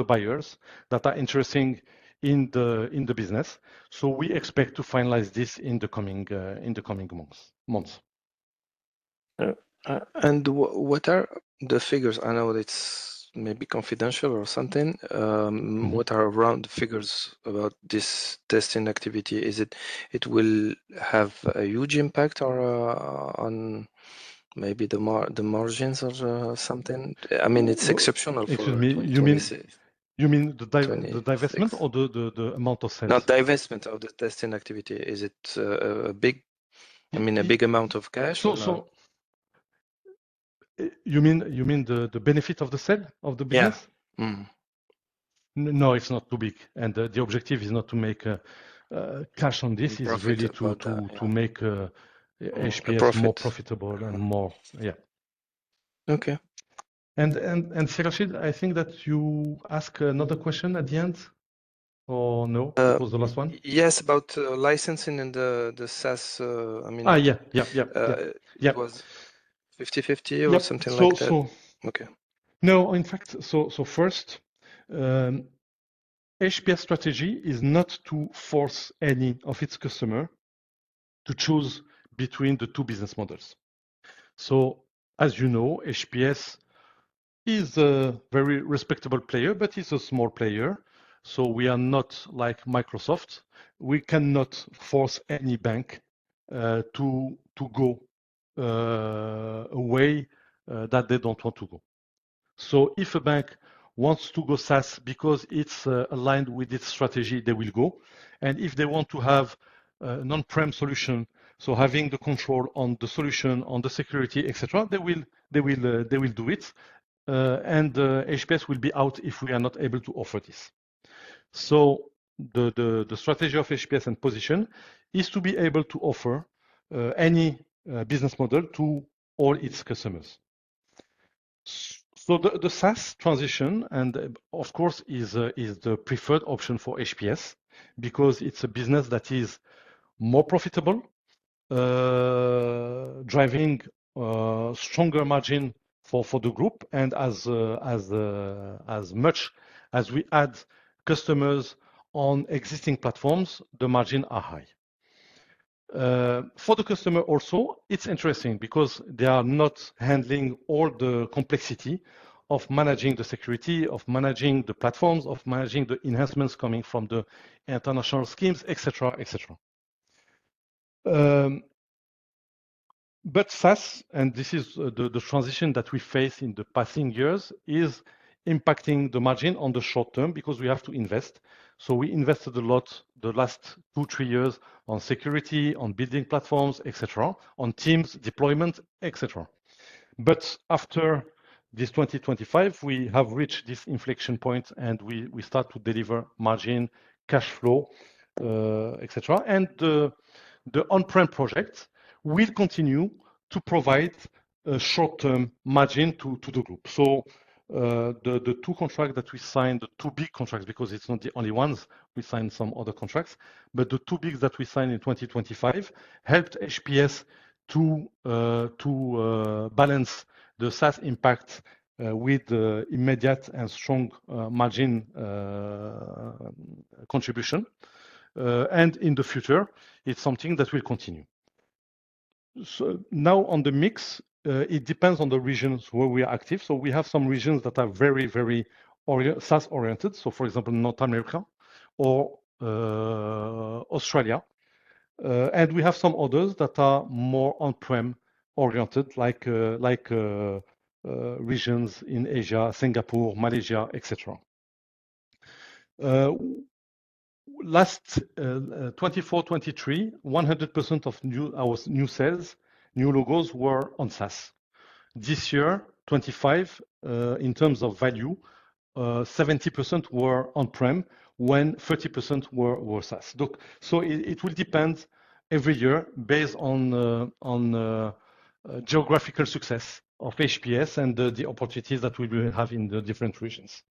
Speaker 2: buyers that are interested in the business, so we expect to finalize this in the coming months.
Speaker 3: What are the figures? I know it's maybe confidential or something. What are round figures about this testing activity? Is it will have a huge impact or on maybe the margins or something? I mean, it's exceptional for 2026.
Speaker 2: Excuse me. You mean the divestment or the amount of sales?
Speaker 3: No, divestment of the testing activity. Is it big? I mean, a big amount of cash or no?
Speaker 2: You mean the benefit of the sale of the business?
Speaker 3: Yeah.
Speaker 2: No, it's not too big. The objective is not to make cash on this.
Speaker 3: Be profitable. Yeah.
Speaker 2: It's really to make HPS more profitable and more. Yeah.
Speaker 3: Okay.
Speaker 2: Sir Rachid, I think that you ask another question at the end, or no? It was the last one.
Speaker 3: Yes, about licensing and the SaaS. I mean, it was 50/50 or something like that.
Speaker 2: No. In fact, first, HPS strategy is not to force any of its customer to choose between the two business models. As you know, HPS is a very respectable player, but it's a small player, so we are not like Microsoft. We cannot force any bank to go away that they don't want to go. If a bank wants to go SaaS because it's aligned with its strategy, they will go. If they want to have a on-prem solution, having the control on the solution, on the security, et cetera, they will do it. HPS will be out if we are not able to offer this. The strategy of HPS and position is to be able to offer any business model to all its customers. The SaaS transition and of course is the preferred option for HPS because it's a business that is more profitable, driving a stronger margin for the group. As much as we add customers on existing platforms, the margin are high. For the customer also, it's interesting because they are not handling all the complexity of managing the security, of managing the platforms, of managing the enhancements coming from the international schemes, et cetera, et cetera. SaaS, and this is the transition that we face in the passing years is impacting the margin on the short term because we have to invest. We invested a lot the last two, three years on security, on building platforms, et cetera, on teams deployment, et cetera. After this 2025, we have reached this inflection point, and we start to deliver margin cash flow, et cetera. The on-prem project will continue to provide a short term margin to the group. The two contracts that we signed, the two big contracts, because it's not the only ones, we signed some other contracts. The two bigs that we signed in 2025 helped HPS to balance the SaaS impact with the immediate and strong margin contribution. In the future, it's something that will continue. Now on the mix, it depends on the regions where we are active. We have some regions that are very SaaS-oriented, for example, North America or Australia. We have some others that are more on-prem oriented like regions in Asia, Singapore, Malaysia, etc. Last 2024, 2023, 100% of our new sales, new logos were on SaaS. This year, 2025, in terms of value, 70% were on-prem and 30% were SaaS. Look, it will depend every year based on geographical success of HPS and the opportunities that we will have in the different regions.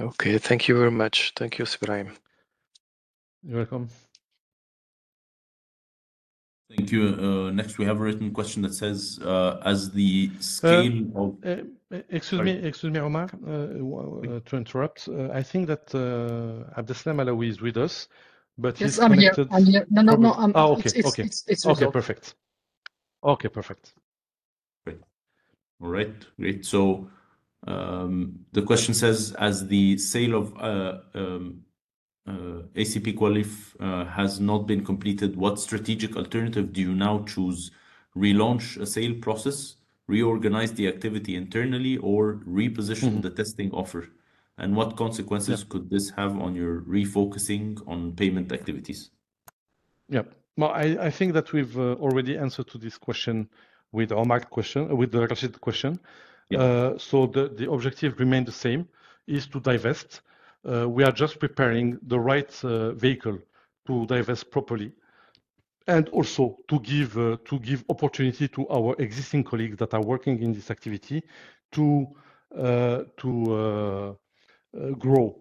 Speaker 3: Okay. Thank you very much. Thank you, Sir Brahim.
Speaker 2: You're welcome.
Speaker 1: Thank you. Next we have a written question that says, as the scale of—
Speaker 2: Excuse me, Omar, want to interrupt. I think that Abdeslam Alaoui is with us, but he's connected.
Speaker 4: Yes, I'm here. No. It's resolved.
Speaker 2: Oh, okay. Perfect.
Speaker 1: Great. All right, great. The question says, as the sale of ACPQualife has not been completed, what strategic alternative do you now choose? Relaunch a sale process, reorganize the activity internally or reposition the testing offer? And what consequences could this have on your refocusing on payment activities?
Speaker 2: Yeah. No, I think that we've already answered to this question with the Rachid question. The objective remains the same, is to divest. We are just preparing the right vehicle to divest properly and also to give opportunity to our existing colleagues that are working in this activity to grow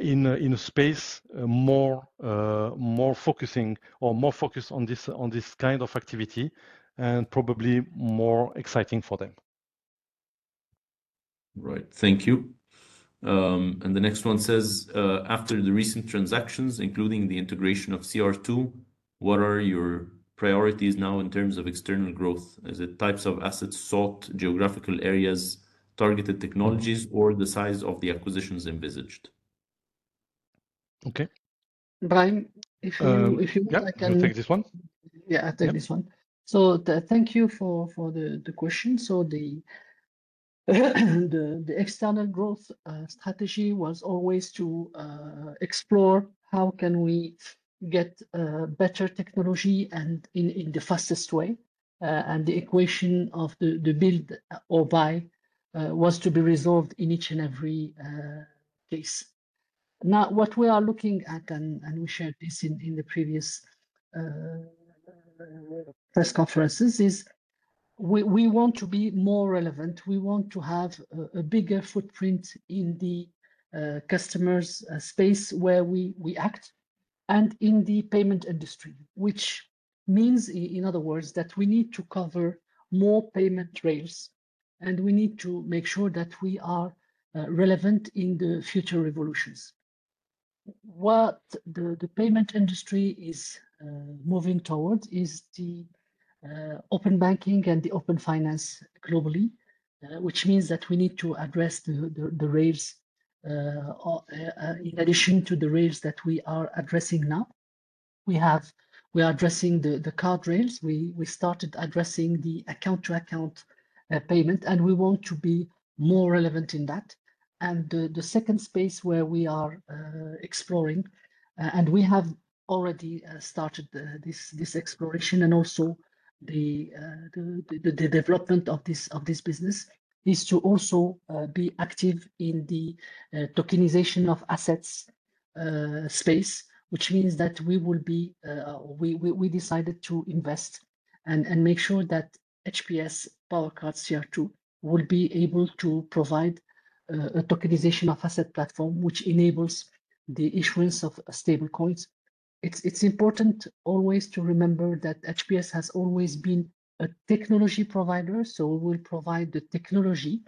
Speaker 2: in a space more focusing or more focused on this kind of activity and probably more exciting for them.
Speaker 1: Right. Thank you. The next one says, after the recent transactions, including the integration of CR2, what are your priorities now in terms of external growth? Is it types of assets sought, geographical areas, targeted technologies, or the size of the acquisitions envisaged?
Speaker 2: Okay.
Speaker 4: Brahim, if you like, I can—
Speaker 2: Yeah. You take this one.
Speaker 4: Yeah, I take this one. Thank you for the question. The external growth strategy was always to explore how we can get better technology and in the fastest way. The equation of the build or buy was to be resolved in each and every case. Now, what we are looking at, and we shared this in the previous press conferences, is we want to be more relevant. We want to have a bigger footprint in the customers space where we act and in the payment industry, which means in other words that we need to cover more payment rails, and we need to make sure that we are relevant in the future evolutions. What the payment industry is moving towards is the open banking and the open finance globally, which means that we need to address the rails in addition to the rails that we are addressing now. We are addressing the card rails. We started addressing the account-to-account payment, and we want to be more relevant in that. The second space where we are exploring and we have already started this exploration and also the development of this business is to also be active in the tokenization of assets space, which means that we decided to invest and make sure that HPS PowerCARD CR2 will be able to provide a tokenization of asset platform which enables the issuance of stablecoins. It's important always to remember that HPS has always been a technology provider, so we'll provide the technology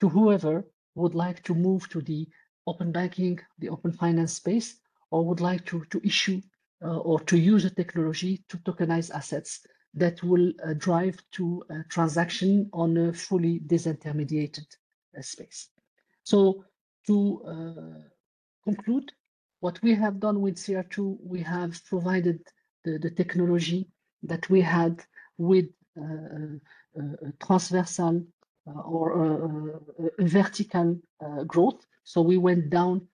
Speaker 4: to whoever would like to move to the open banking, the open finance space, or would like to issue or to use a technology to tokenize assets that will drive to a transaction on a fully disintermediated space. To conclude, what we have done with CR2, we have provided the technology that we had with transversal or vertical growth. We went down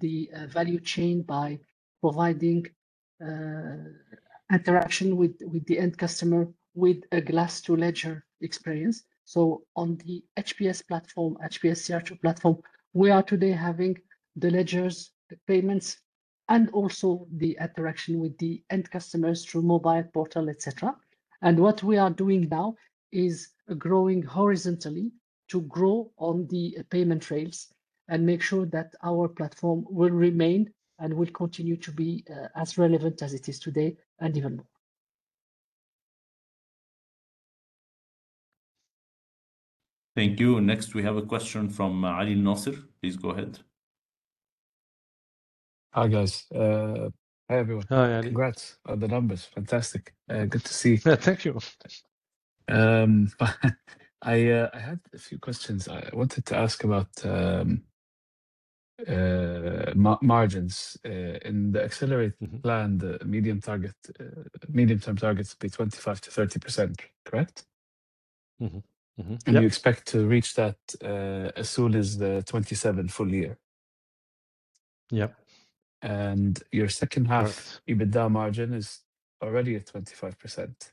Speaker 4: the value chain by providing interaction with the end customer with a glass to ledger experience. On the HPS platform, HPS CR2 platform, we are today having the ledgers, the payments, and also the interaction with the end customers through mobile portal, et cetera. What we are doing now is growing horizontally to grow on the payment rails and make sure that our platform will remain and will continue to be as relevant as it is today and even more.
Speaker 1: Thank you. Next, we have a question from Ali Nasser. Please go ahead.
Speaker 5: Hi, guys. Hi, everyone.
Speaker 2: Hi, Ali.
Speaker 5: Congrats on the numbers. Fantastic. Good to see you.
Speaker 2: Thank you.
Speaker 5: I had a few questions. I wanted to ask about margins. In the AccelR8, the medium-term targets will be 25%-30%, correct?
Speaker 2: Yep.
Speaker 5: You expect to reach that as soon as the 2027 full year?
Speaker 2: Yep.
Speaker 5: Your second half EBITDA margin is already at 25%.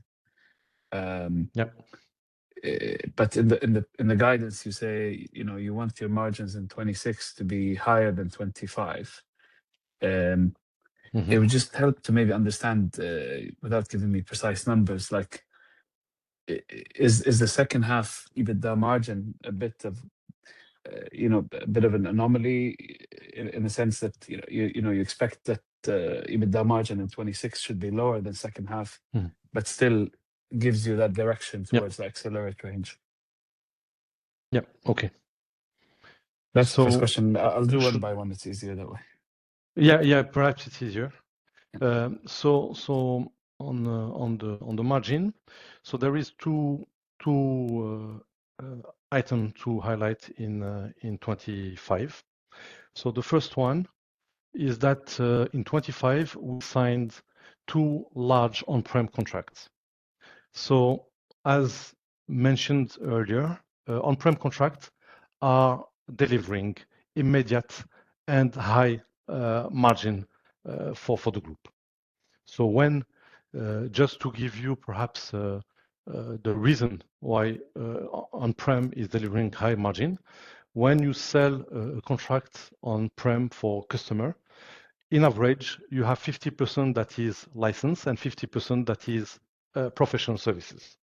Speaker 5: In the guidance, you say, you know, you want your margins in 2026 to be higher than 2025. It would just help to maybe understand, without giving me precise numbers, like, is the second half EBITDA margin a bit of, you know, a bit of an anomaly in the sense that, you know, you expect that EBITDA margin in 2026 should be lower than second half. Still gives you that direction towards the AccelR8? That's the first question. I'll do one by one. It's easier that way.
Speaker 2: Perhaps it's easier. On the margin. There are two items to highlight in 2025. The first one is that in 2025 we find two large on-prem contracts. As mentioned earlier, on-prem contracts are delivering immediate and high margin for the group. Just to give you perhaps the reason why on-prem is delivering high margin. When you sell a contract on-prem for customer, in average, you have 50% that is license and 50% that is professional services.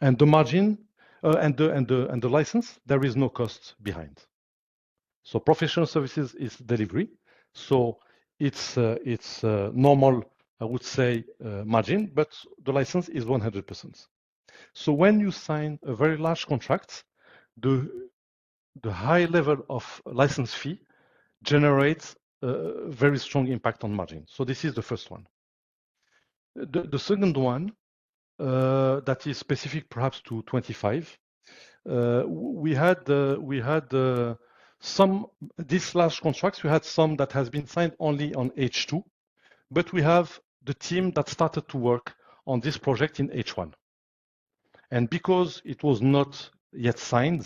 Speaker 2: And the margin and the license, there is no cost behind. Professional services is delivery. It's normal, I would say, margin, but the license is 100%. When you sign a very large contract, the high level of license fee generates a very strong impact on margin. This is the first one. The second one that is specific perhaps to 2025. These large contracts, we had some that has been signed only on H2, but we have the team that started to work on this project in H1. Because it was not yet signed,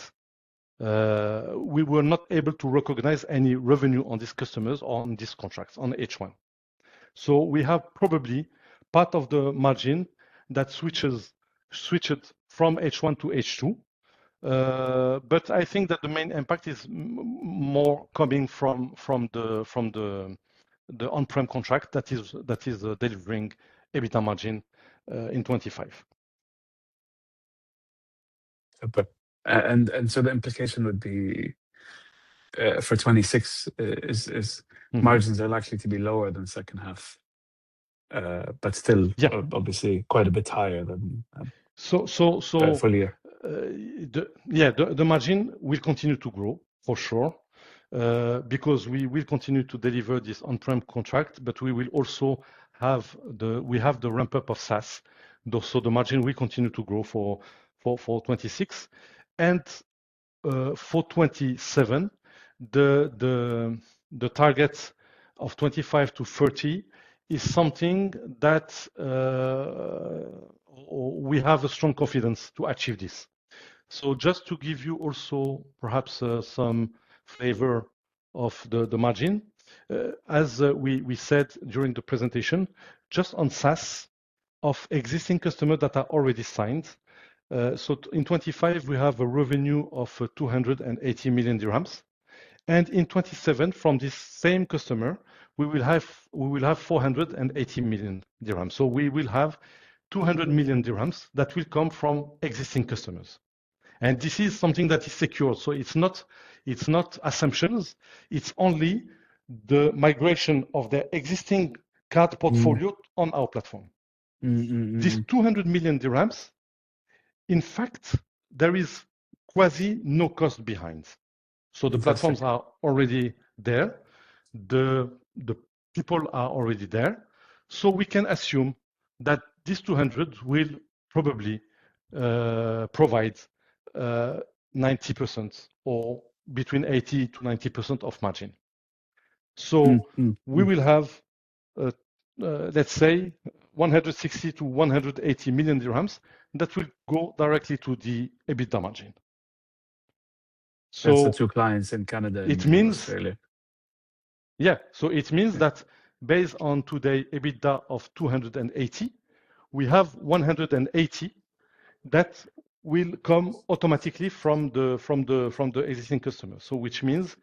Speaker 2: we were not able to recognize any revenue on these customers or on these contracts on H1. We have probably part of the margin that switched from H1 to H2. But I think that the main impact is more coming from the on-prem contract that is delivering a better margin in 2025.
Speaker 5: Okay. The implication would be for 2026 margins are likely to be lower than second half, but still, obviously quite a bit higher than the full year.
Speaker 2: The margin will continue to grow for sure, because we will continue to deliver this on-prem contract, but we will also have the ramp up of SaaS. The margin will continue to grow for 2026. For 2027, the target of 25%-30% is something that we have a strong confidence to achieve this. Just to give you also perhaps some flavor of the margin. As we said during the presentation, just on SaaS of existing customer that are already signed. In 2025 we have a revenue of MAD 280 million. In 2027 from this same customer, we will have MAD 480 million. We will have MAD 200 million that will come from existing customers. This is something that is secure. It's not assumptions. It's only the migration of their existing card portfolio on our platform. This MAD 200 million, in fact, there is quasi no cost behind. The platforms are already there. The people are already there. We can assume that this 200 will probably provide 90% or between 80%-90% of margin. We will have, let's say MAD 160 million-MAD 180 million that will go directly to the EBITDA margin.
Speaker 5: That's the two clients in Canada and Australia.
Speaker 2: Yeah. It means that based on today's EBITDA of MAD 280, we have MAD 180 that will come automatically from the existing customer. Which means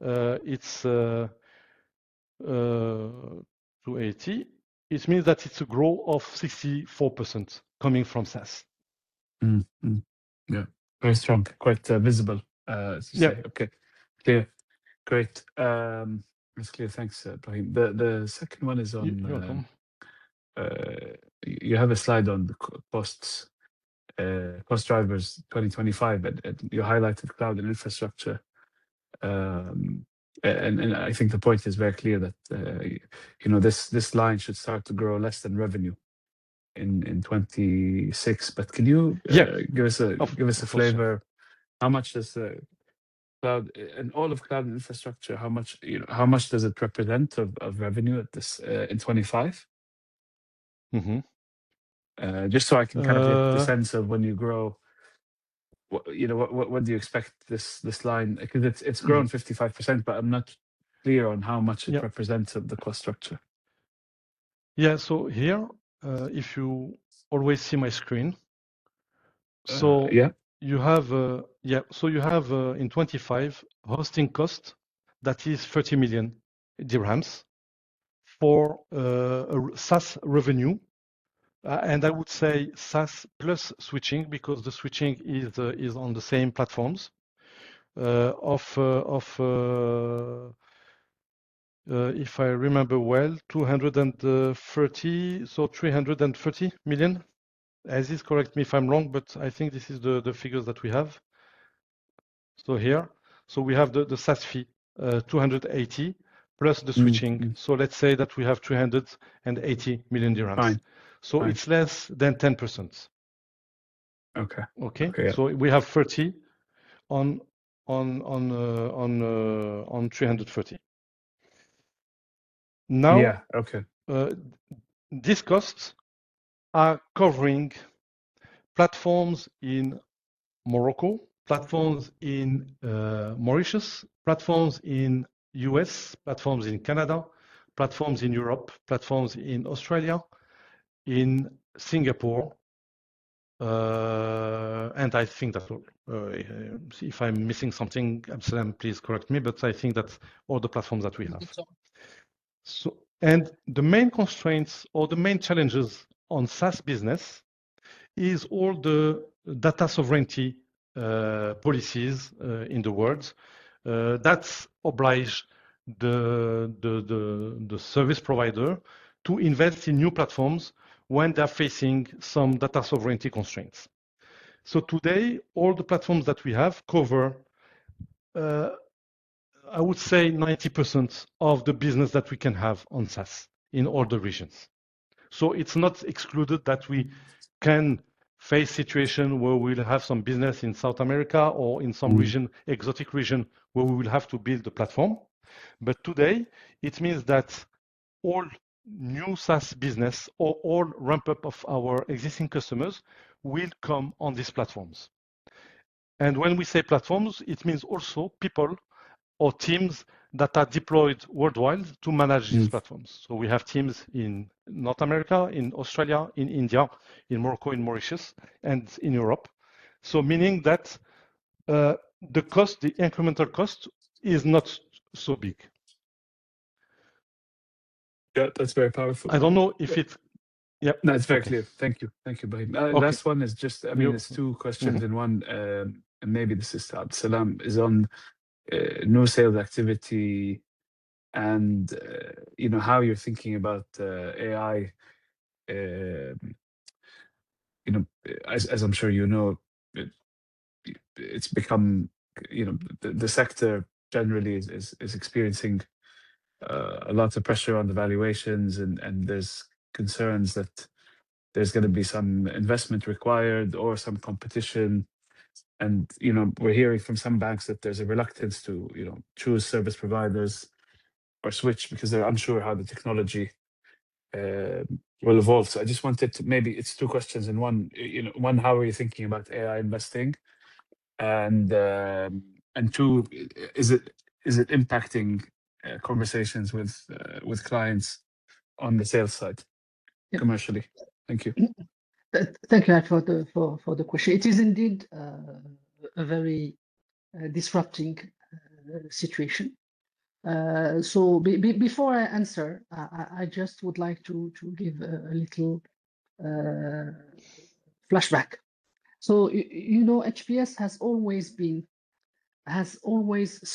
Speaker 2: it's MAD 280. It means that it's a growth of 64% coming from SaaS.
Speaker 5: Yeah. Very strong. Quite visible.
Speaker 2: Yeah.
Speaker 5: Okay. Clear. Great. That's clear. Thanks, Brahim. The second one is on, you have a slide on the costs, cost drivers 2025, but you highlighted cloud and infrastructure. I think the point is very clear that you know, this line should start to grow less than revenue in 2026. Can you give us a flavor. In all of cloud infrastructure, how much, you know, how much does it represent of revenue at this in 2025? Just so I can kind of get a sense of when you grow, you know, what, when do you expect this line? Because it's grown 55%, but I'm not clear on how much it represents of the cost structure.
Speaker 2: Yeah. Here, if you always see my screen.
Speaker 5: Yeah.
Speaker 2: You have in 2025 hosting cost that is MAD 30 million for a SaaS revenue. I would say SaaS plus switching because the switching is on the same platforms. If I remember well, MAD 330 million. Aziz, correct me if I'm wrong, but I think this is the figures that we have. We have the SaaS fee, MAD 280 million plus the switching. Let's say that we have MAD 380 million. It's less than 10%.
Speaker 5: Okay.
Speaker 2: Okay?
Speaker 5: Okay, yeah.
Speaker 2: We have MAD 30 million on MAD 330 million. Now, these costs are covering platforms in Morocco, platforms in Mauritius, platforms in U.S., platforms in Canada, platforms in Europe, platforms in Australia, in Singapore, and I think that's all. If I'm missing something, Abdeslam, please correct me, but I think that's all the platforms that we have.
Speaker 4: I think so.
Speaker 2: The main constraints or the main challenges on SaaS business are all the data sovereignty policies in the world. That obliges the service provider to invest in new platforms when they're facing some data sovereignty constraints. Today, all the platforms that we have cover, I would say 90% of the business that we can have on SaaS in all the regions. It's not excluded that we can face situation where we'll have some business in South America or in some exotic region where we will have to build the platform. Today, it means that all new SaaS business or all ramp-up of our existing customers will come on these platforms. When we say platforms, it means also people or teams that are deployed worldwide to manage these platforms. We have teams in North America, in Australia, in India, in Morocco, in Mauritius, and in Europe. Meaning that, the cost, the incremental cost is not so big.
Speaker 5: Yeah, that's very powerful.
Speaker 2: I don't know if it—
Speaker 5: Yeah. No, it's very clear. Thank you. Thank you, Brahim.
Speaker 2: Okay.
Speaker 5: Last one is just, I mean, it's two questions in one. Maybe this is to Abdeslam on new sales activity and you know, how you're thinking about AI. You know, as I'm sure you know, it's become you know. The sector generally is experiencing lots of pressure on the valuations and there's concerns that there's gonna be some investment required or some competition. You know, we're hearing from some banks that there's a reluctance to you know, choose service providers or switch because they're unsure how the technology will evolve. Maybe it's two questions in one. You know, one, how are you thinking about AI investing? And two, is it impacting conversations with clients on the sales side commercially? Thank you.
Speaker 4: Thank you, Ali, for the question. It is indeed a very disruptive situation. Before I answer, I just would like to give a little flashback. You know, HPS has always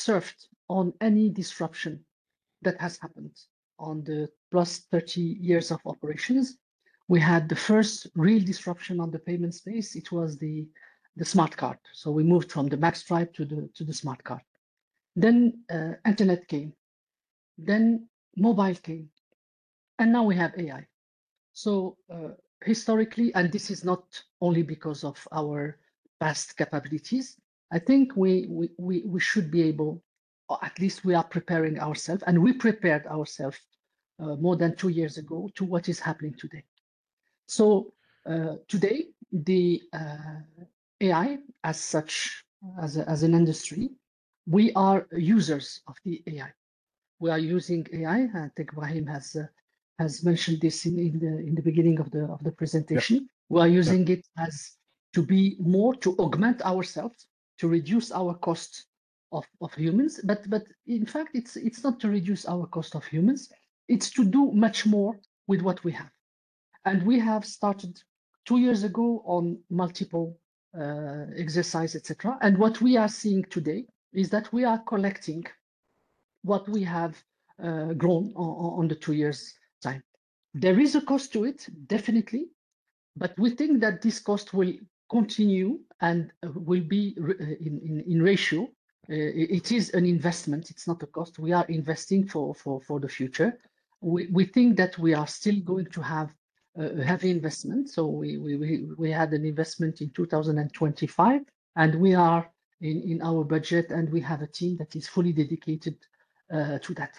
Speaker 4: surfed on any disruption that has happened over the past 30 years of operations. We had the first real disruption in the payment space. It was the smart card. We moved from the magstripe to the smart card. Internet came, mobile came, and now we have AI. Historically, and this is not only because of our past capabilities, I think we should be able, or at least we are preparing ourselves, and we prepared ourselves more than two years ago to what is happening today. Today, the AI as such, as an industry, we are users of the AI. We are using AI. I think Brahim has mentioned this in the beginning of the presentation. We are using it as to be more to augment ourselves, to reduce our cost of humans. In fact, it's not to reduce our cost of humans, it's to do much more with what we have. We have started two years ago on multiple exercise, et cetera. What we are seeing today is that we are collecting what we have grown on the two years' time. There is a cost to it, definitely. We think that this cost will continue and will be in ratio. It is an investment. It's not a cost. We are investing for the future. We think that we are still going to have investment. We had an investment in 2025, and we are in our budget, and we have a team that is fully dedicated to that.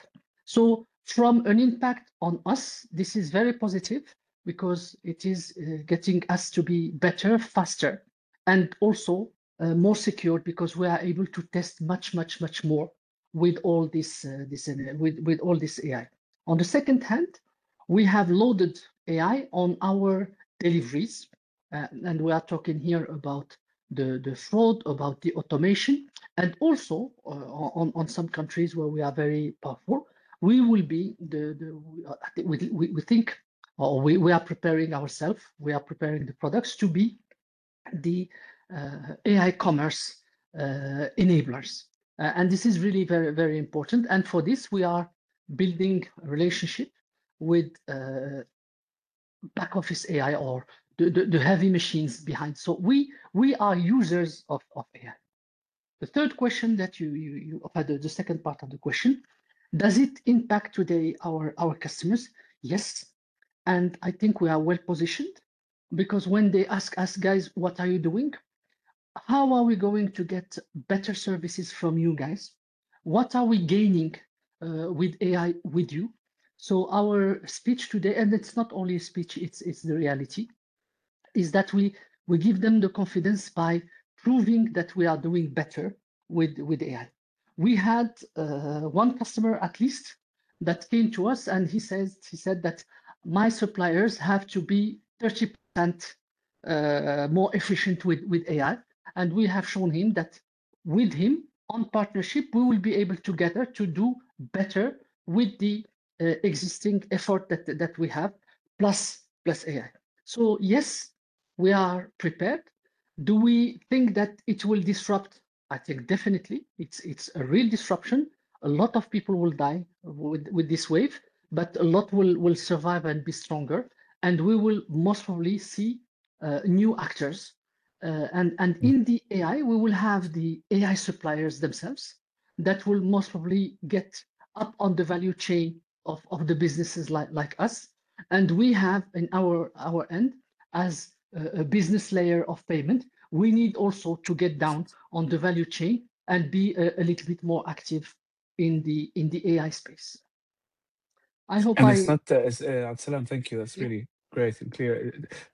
Speaker 4: From an impact on us, this is very positive because it is getting us to be better, faster, and also more secured because we are able to test much more with all this AI. On the other hand, we have loaded AI on our deliveries, and we are talking here about the fraud, about the automation, and also on some countries where we are very powerful, we will be the. We think or we are preparing ourselves, we are preparing the products to be the AI commerce enablers. This is really very important. For this we are building relationship with back office AI or the heavy machines behind. We are users of AI. The third question that you, or rather, the second part of the question. Does it impact today our customers? Yes. I think we are well positioned because when they ask us, "Guys, what are you doing? How are we going to get better services from you guys? What are we gaining with AI with you?" Our speech today is not only a speech, it's the reality that we give them the confidence by proving that we are doing better with AI. We had one customer at least that came to us, and he said, "My suppliers have to be 30% more efficient with AI." We have shown him that with him on partnership, we will be able together to do better with the existing effort that we have, plus AI. Yes, we are prepared. Do we think that it will disrupt? I think definitely. It's a real disruption. A lot of people will die with this wave, but a lot will survive and be stronger, and we will most probably see new actors. In the AI we will have the AI suppliers themselves that will most probably get up on the value chain of the businesses like us. We have in our end as a business layer of payment, we need also to get down on the value chain and be a little bit more active in the AI space. I hope I-
Speaker 5: Abdeslam, thank you. That's really great and clear.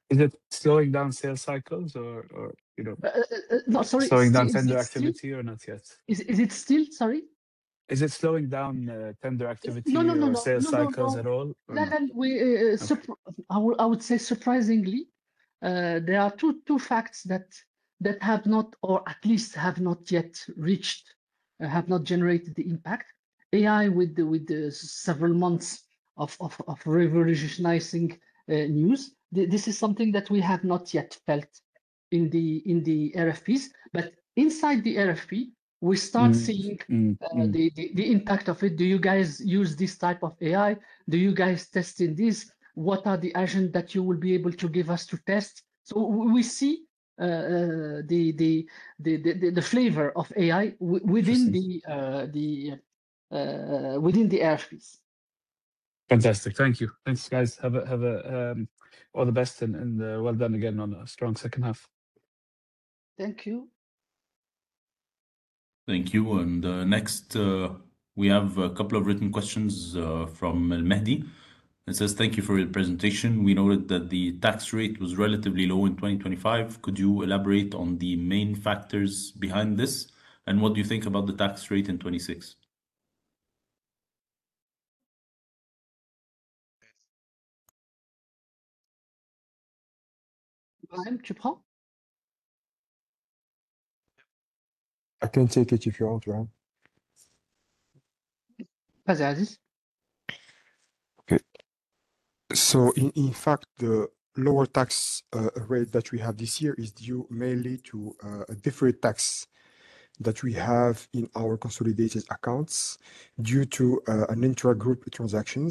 Speaker 5: Is it slowing down sales cycles or, you know?
Speaker 4: No, sorry. Is it still?
Speaker 5: Slowing down tender activity or not yet?
Speaker 4: Is it still? Sorry?
Speaker 5: Is it slowing down, tender activity or sales cycles at all?
Speaker 4: No, no. I would say surprisingly, there are two facts that have not, or at least have not yet reached, have not generated the impact. AI with the several months of revolutionizing news, this is something that we have not yet felt in the RFPs. Inside the RFP we start seeing the impact of it. Do you guys use this type of AI? Do you guys test this? What are the agents that you will be able to give us to test? We see the flavor of AI within the within the RFPs.
Speaker 5: Fantastic. Thank you. Thanks, guys. All the best and well done again on a strong second half.
Speaker 4: Thank you.
Speaker 1: Thank you. Next, we have a couple of written questions from El Mehdi. It says, "Thank you for your presentation. We noted that the tax rate was relatively low in 2025. Could you elaborate on the main factors behind this, and what do you think about the tax rate in 2026?
Speaker 4: Brahim?
Speaker 6: I can take it if you want, Brahim.
Speaker 4: Okay, Aziz.
Speaker 6: Okay. In fact, the lower tax rate that we have this year is due mainly to a different tax that we have in our consolidated accounts due to an intragroup transaction.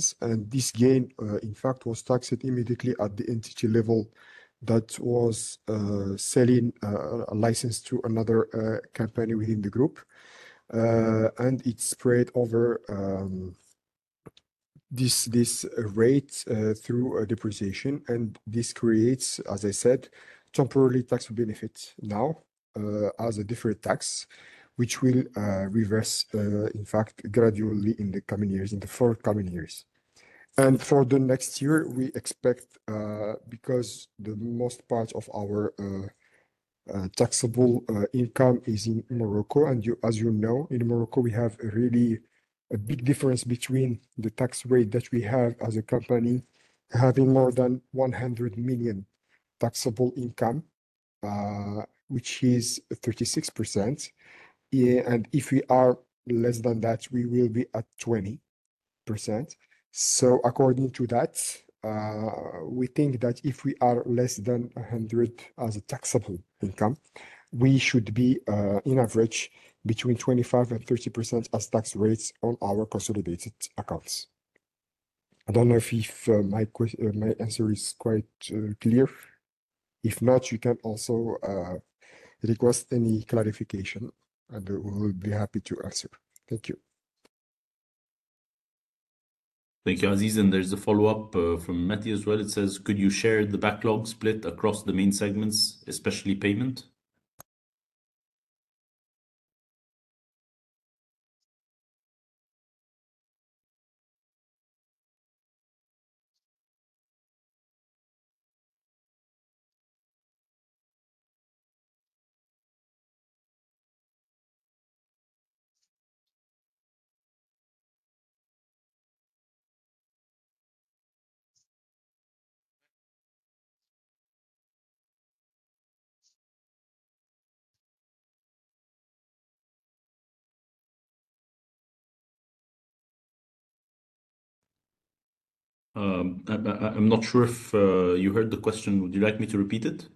Speaker 6: This gain, in fact, was taxed immediately at the entity level that was selling a license to another company within the group. It spread over this rate through a depreciation. This creates, as I said, temporary tax benefit now, as a different tax which will reverse, in fact, gradually in the coming years, in the four coming years. For the next year we expect, because the most part of our taxable income is in Morocco. As you know, in Morocco we have a really big difference between the tax rate that we have as a company having more than MAD 100 million taxable income, which is 36%. Yeah. If we are less than that, we will be at 20%. According to that, we think that if we are less than MAD 100 million as a taxable income, we should be, on average between 25%-30% as tax rates on our consolidated accounts. I don't know if my answer is quite clear. If not, you can also request any clarification, and we'll be happy to answer. Thank you.
Speaker 1: Thank you, Aziz. There's a follow-up from Mehdi as well. It says, "Could you share the backlog split across the main segments, especially payment? I'm not sure if you heard the question. Would you like me to repeat it?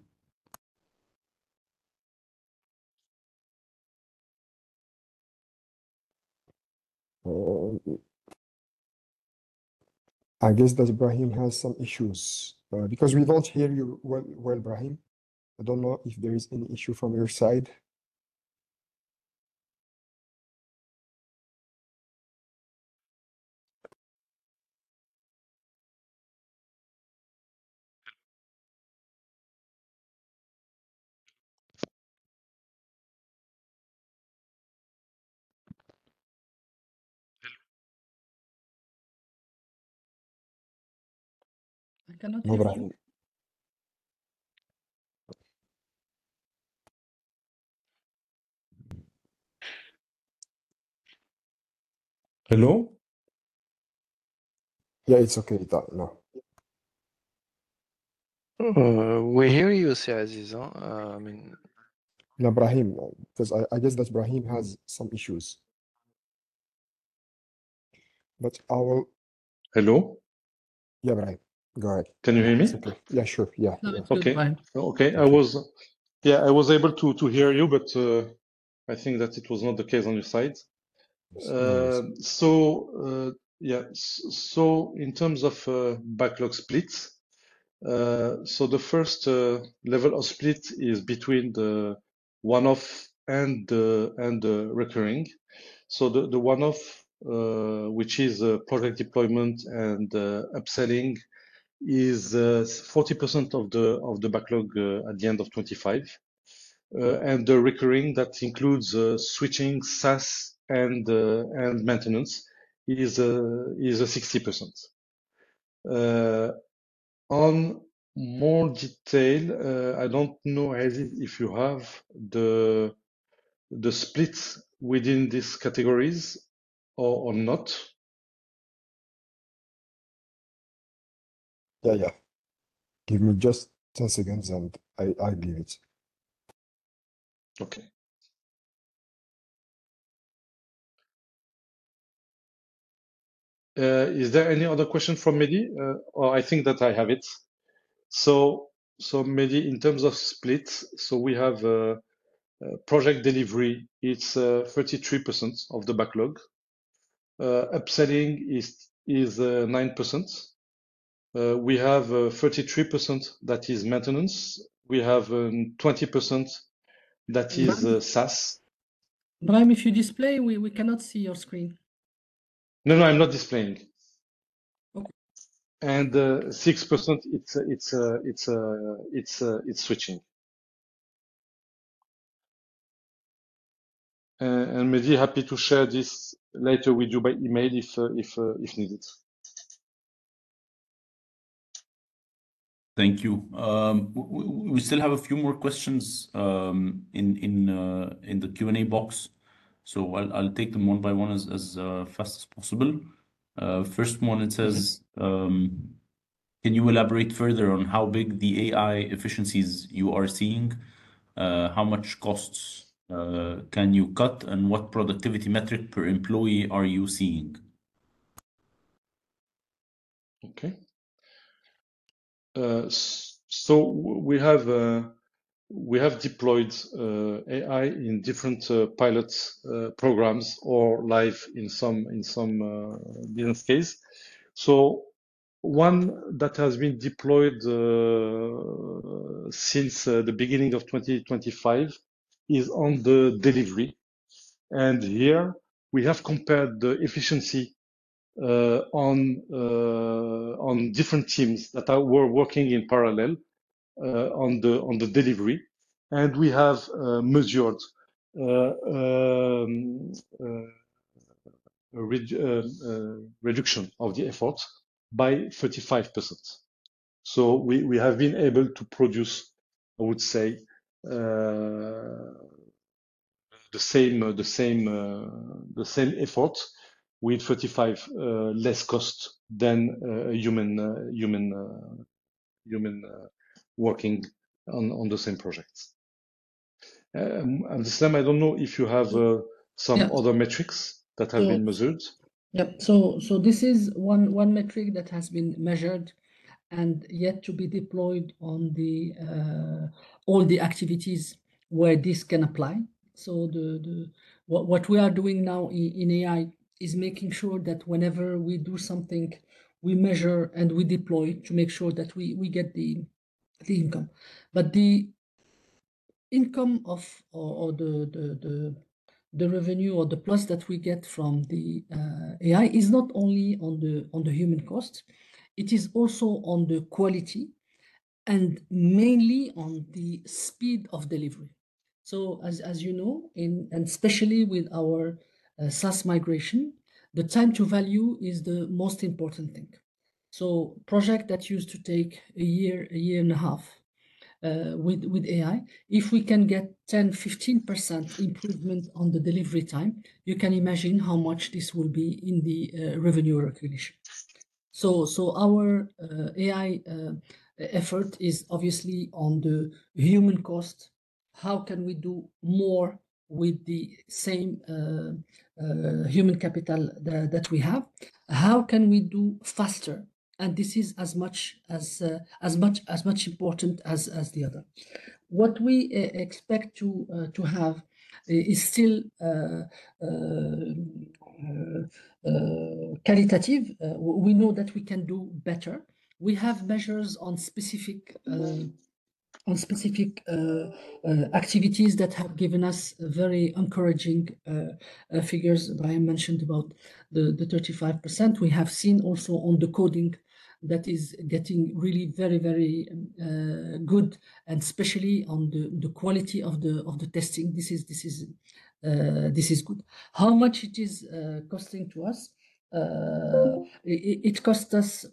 Speaker 6: Oh. I guess that Brahim has some issues, because we don't hear you well, Brahim. I don't know if there is any issue from your side.
Speaker 2: Hello.
Speaker 1: No problem.
Speaker 2: Hello?
Speaker 6: Yeah, it's okay with that now.
Speaker 1: We hear you, Sir Aziz, I mean.
Speaker 6: No, Brahim. 'Cause I guess that Brahim has some issues.
Speaker 2: Hello?
Speaker 6: Yeah, Brahim. Go ahead.
Speaker 2: Can you hear me?
Speaker 6: Yeah, sure. Yeah.
Speaker 4: Yeah. It's fine.
Speaker 2: Okay. Yeah. I was able to hear you, but I think that it was not the case on your side. In terms of backlog splits, the first level of split is between the one-off and the recurring. The one-off, which is product deployment and upselling is 40% of the backlog at the end of 2025. The recurring that includes switching SaaS and maintenance is 60%. On more detail, I don't know, Aziz, if you have the splits within these categories or not.
Speaker 6: Yeah. Give me just 10 seconds, and I give it.
Speaker 2: Okay. Is there any other question from Mehdi? I think that I have it. Mehdi, in terms of splits, we have project delivery, it's 33% of the backlog. Upselling is 9%. We have 33% that is maintenance. We have 20% that is SaaS.
Speaker 4: Brahim, if you display, we cannot see your screen.
Speaker 2: No, no, I'm not displaying.
Speaker 4: Okay.
Speaker 2: 6% it's switching. Mehdi, happy to share this later with you by email if needed.
Speaker 1: Thank you. We still have a few more questions in the Q&A box, so I'll take them one by one as fast as possible. First one, it says, "Can you elaborate further on how big the AI efficiencies you are seeing? How much costs can you cut, and what productivity metric per employee are you seeing?"
Speaker 2: Okay. We have deployed AI in different pilot programs or live in some business case. One that has been deployed since the beginning of 2025 is on the delivery. Here we have compared the efficiency on different teams that were working in parallel on the delivery. We have measured reduction of the effort by 35%. We have been able to produce, I would say, the same effort with 35% less cost than human working on the same projects. Abdeslam, I don't know if you have some other metrics that have been measured.
Speaker 4: Yep. This is one metric that has been measured and yet to be deployed on all the activities where this can apply. What we are doing now in AI is making sure that whenever we do something, we measure and we deploy to make sure that we get the income. The income or the revenue or the plus that we get from the AI is not only on the human cost, it is also on the quality and mainly on the speed of delivery. As you know, and especially with our SaaS migration, the time to value is the most important thing. A project that used to take a year and a half, with AI, if we can get 10%-15% improvement on the delivery time, you can imagine how much this will be in the revenue recognition. Our AI effort is obviously on the human cost. How can we do more with the same human capital that we have? How can we do faster? This is as important as the other. What we expect to have is still qualitative. We know that we can do better. We have measures on specific activities that have given us very encouraging figures. Brahim mentioned about the 35%. We have seen also on the coding that is getting really very good, and especially on the quality of the testing. This is good. How much it is costing to us? It costs us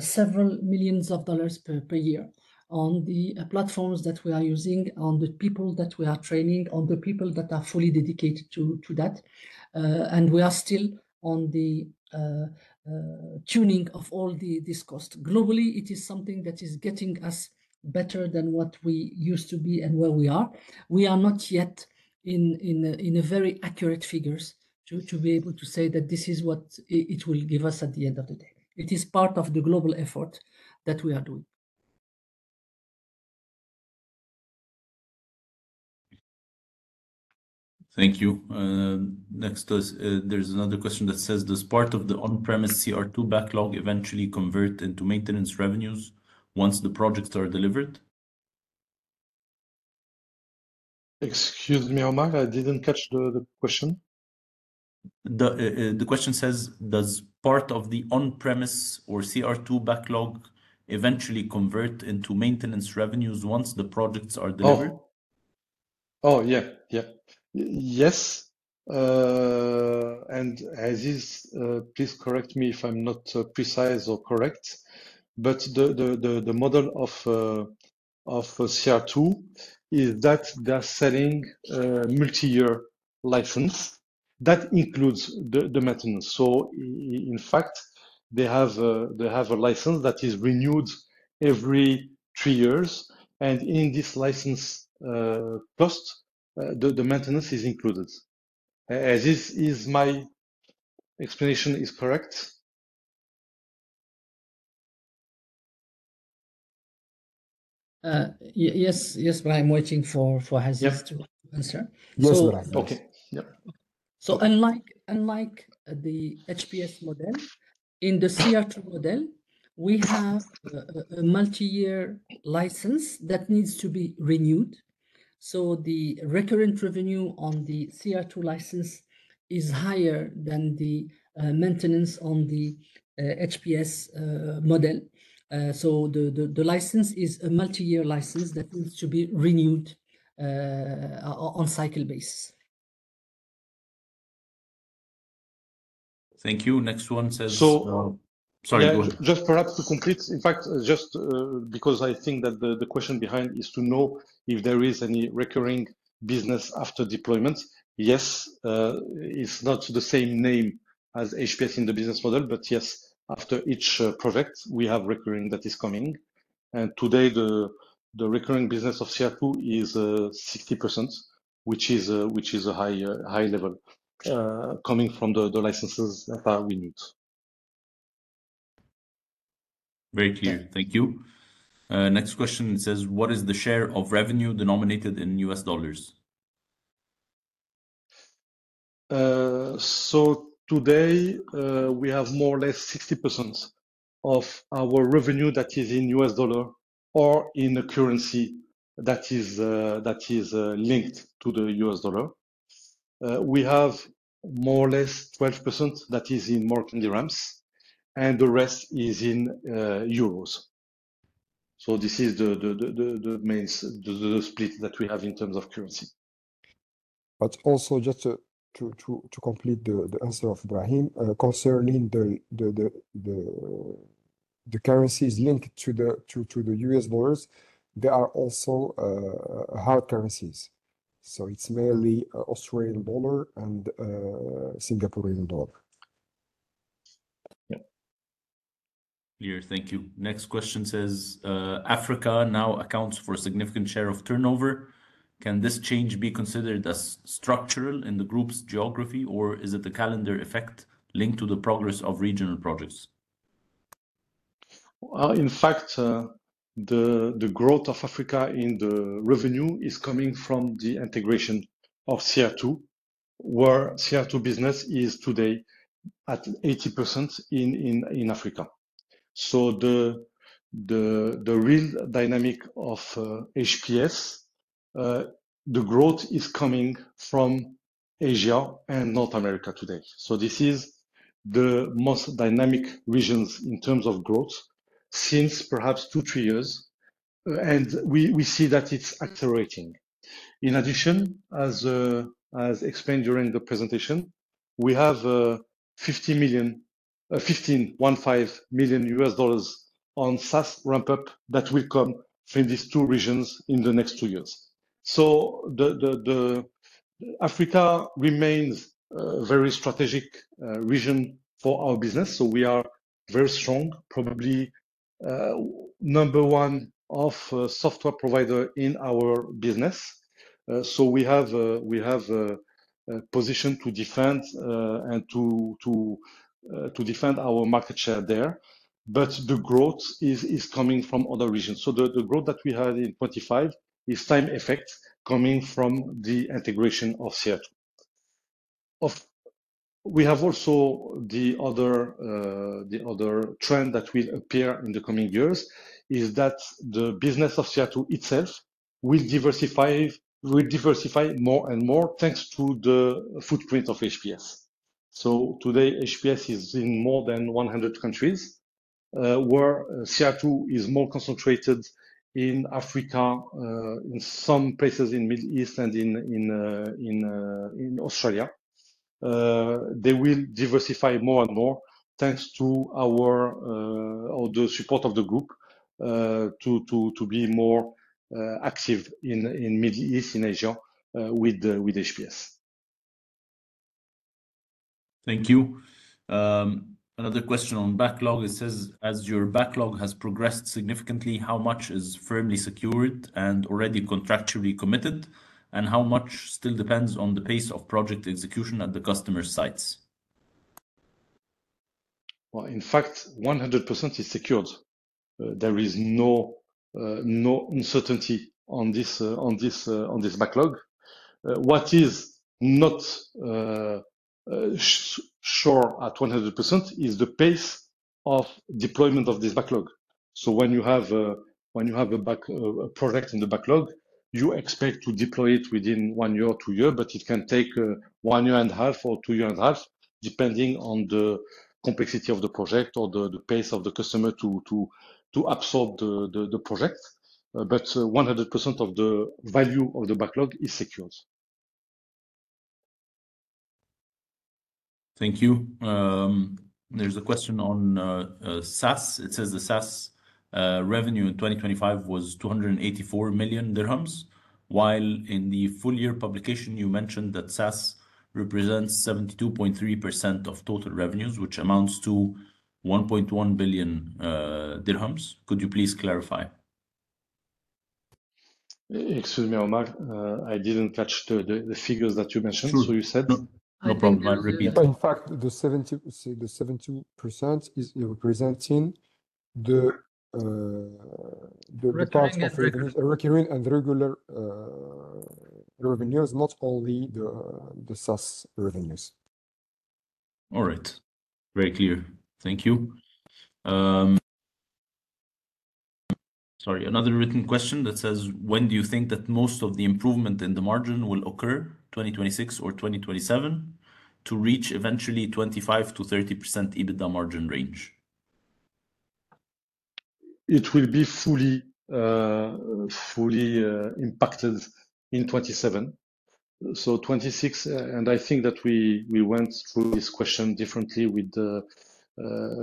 Speaker 4: several millions of dollars per year on the platforms that we are using, on the people that we are training, on the people that are fully dedicated to that. We are still on the tuning of all the discussed. Globally, it is something that is getting us better than what we used to be and where we are. We are not yet in a very accurate figures to be able to say that this is what it will give us at the end of the day. It is part of the global effort that we are doing.
Speaker 1: Thank you. Next is, there's another question that says: Does part of the on-prem CR2 backlog eventually convert into maintenance revenues once the projects are delivered?
Speaker 2: Excuse me, Omar, I didn't catch the question.
Speaker 1: The question says: Does part of the on-premise or CR2 backlog eventually convert into maintenance revenues once the projects are delivered?
Speaker 2: Yeah. Yes. Aziz, please correct me if I'm not precise or correct. The model of CR2 is that they are selling multi-year license. That includes the maintenance. In fact, they have a license that is renewed every three years. In this license cost, the maintenance is included. Aziz, is my explanation correct?
Speaker 4: Yes, but I'm waiting for Aziz to answer.
Speaker 2: Yep.
Speaker 6: No, it's all right.
Speaker 2: Okay. Yep.
Speaker 4: Unlike the HPS model, in the CR2 model we have a multi-year license that needs to be renewed. The recurrent revenue on the CR2 license is higher than the maintenance on the HPS model. The license is a multi-year license that needs to be renewed on cycle basis.
Speaker 1: Thank you. Next one says—
Speaker 2: So—
Speaker 1: Sorry, go on.
Speaker 2: Just perhaps to complete. In fact, just because I think that the question behind is to know if there is any recurring business after deployment. Yes, it's not the same name as HPS in the business model. Yes, after each project, we have recurring that is coming. Today the recurring business of CR2 is 60%, which is a high level coming from the licenses that are renewed.
Speaker 1: Very clear. Thank you. Next question says: What is the share of revenue denominated in U.S. dollars?
Speaker 2: Today, we have more or less 60% of our revenue that is in U.S. dollar or in a currency that is linked to the U.S. dollar. We have more or less 12% that is in Moroccan dirhams, and the rest is in euros. This is the main split that we have in terms of currency.
Speaker 6: Also just to complete the answer of Brahim concerning the currencies linked to the U.S. dollars, there are also hard currencies. It's mainly Australian dollar and Singaporean dollar.
Speaker 1: Clear. Thank you. Next question says: Africa now accounts for a significant share of turnover. Can this change be considered as structural in the group's geography, or is it a calendar effect linked to the progress of regional projects?
Speaker 2: In fact, the growth of Africa in the revenue is coming from the integration of CR2, where CR2 business is today at 80% in Africa. The real dynamic of HPS, the growth is coming from Asia and North America today. This is the most dynamic regions in terms of growth since perhaps two, three years. We see that it's accelerating. In addition, as explained during the presentation, we have $15 million on SaaS ramp-up that will come from these two regions in the next two years. Africa remains a very strategic region for our business, so we are very strong, probably number one software provider in our business. We have a position to defend and to defend our market share there. The growth is coming from other regions. The growth that we had in 2025 is timing effect coming from the integration of CR2. We also have the other trend that will appear in the coming years is that the business of CR2 itself will diversify more and more thanks to the footprint of HPS. Today, HPS is in more than 100 countries, where CR2 is more concentrated in Africa, in some places in the Middle East and in Australia. They will diversify more and more thanks to our or the support of the group to be more active in Middle East in Asia with HPS.
Speaker 1: Thank you. Another question on backlog. It says, as your backlog has progressed significantly, how much is firmly secured and already contractually committed, and how much still depends on the pace of project execution at the customer sites?
Speaker 2: Well, in fact, 100% is secured. There is no uncertainty on this backlog. What is not sure at 100% is the pace of deployment of this backlog. When you have a project in the backlog, you expect to deploy it within one year or two year, but it can take one year and half or two years and half, depending on the complexity of the project or the pace of the customer to absorb the project. 100% of the value of the backlog is secured.
Speaker 1: Thank you. There's a question on SaaS. It says the SaaS revenue in 2025 was MAD 284 million, while in the full-year publication you mentioned that SaaS represents 72.3% of total revenues, which amounts to MAD 1.1 billion. Could you please clarify?
Speaker 2: Excuse me, Omar. I didn't catch the figures that you mentioned.
Speaker 1: Sure.
Speaker 2: You said.
Speaker 1: No problem. I'll repeat.
Speaker 6: In fact, the 70% is representing the part of recurring and regular revenues, not only the SaaS revenues.
Speaker 1: All right. Very clear. Thank you. Sorry. Another written question that says: When do you think that most of the improvement in the margin will occur, 2026 or 2027, to reach eventually 25%-30% EBITDA margin range?
Speaker 2: It will be fully impacted in 2027. 2026, and I think that we went through this question differently with the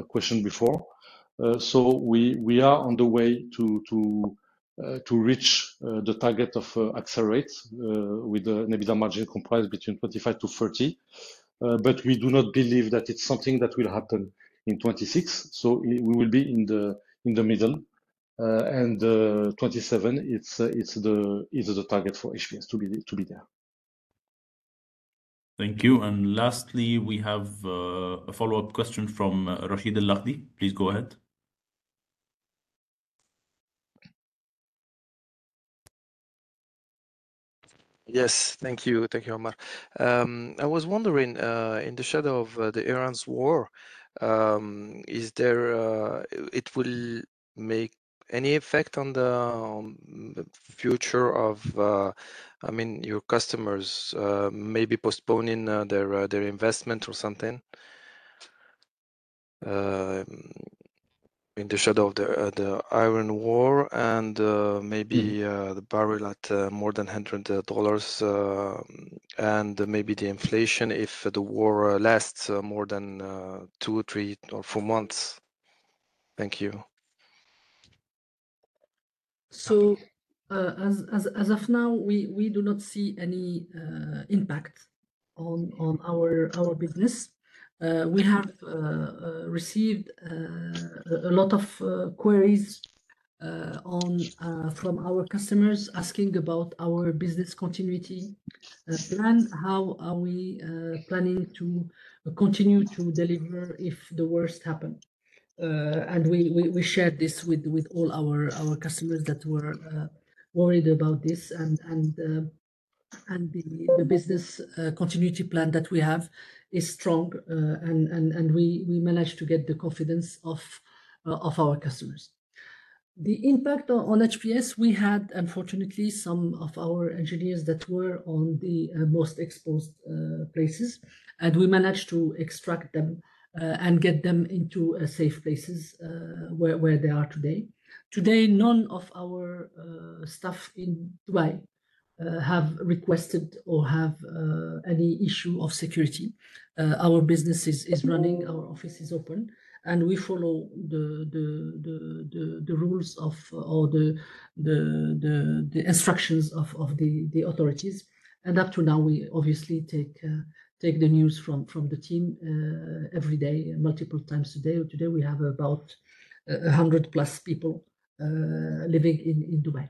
Speaker 2: question before. We are on the way to reach the target of AccelR8 with the EBITDA margin comprised between 25%-30%. But we do not believe that it's something that will happen in 2026, so we will be in the middle. 2027, it's the target for HPS to be there.
Speaker 1: Thank you. Lastly, we have a follow-up question from Rachid Alaoui. Please go ahead.
Speaker 3: Yes. Thank you. Thank you, Omar. I was wondering, in the shadow of the Iran's war, is there. It will make any effect on the future of your customers, maybe postponing their investment or something, in the shadow of the Iran war and maybe the barrel at more than $100, and maybe the inflation if the war lasts more than two, three, or four months. Thank you.
Speaker 4: As of now, we do not see any impact on our business. We have received a lot of queries from our customers asking about our business continuity plan. How are we planning to continue to deliver if the worst happen? We shared this with all our customers that were worried about this, and the business continuity plan that we have is strong. We managed to get the confidence of our customers. The impact on HPS, we had unfortunately some of our engineers that were on the most exposed places, and we managed to extract them and get them into safe places where they are today. Today, none of our staff in Dubai have requested or have any issue of security. Our business is running, our office is open, and we follow the rules or the instructions of the authorities. Up to now, we obviously take the news from the team every day multiple times a day. Today, we have about 100+ people living in Dubai.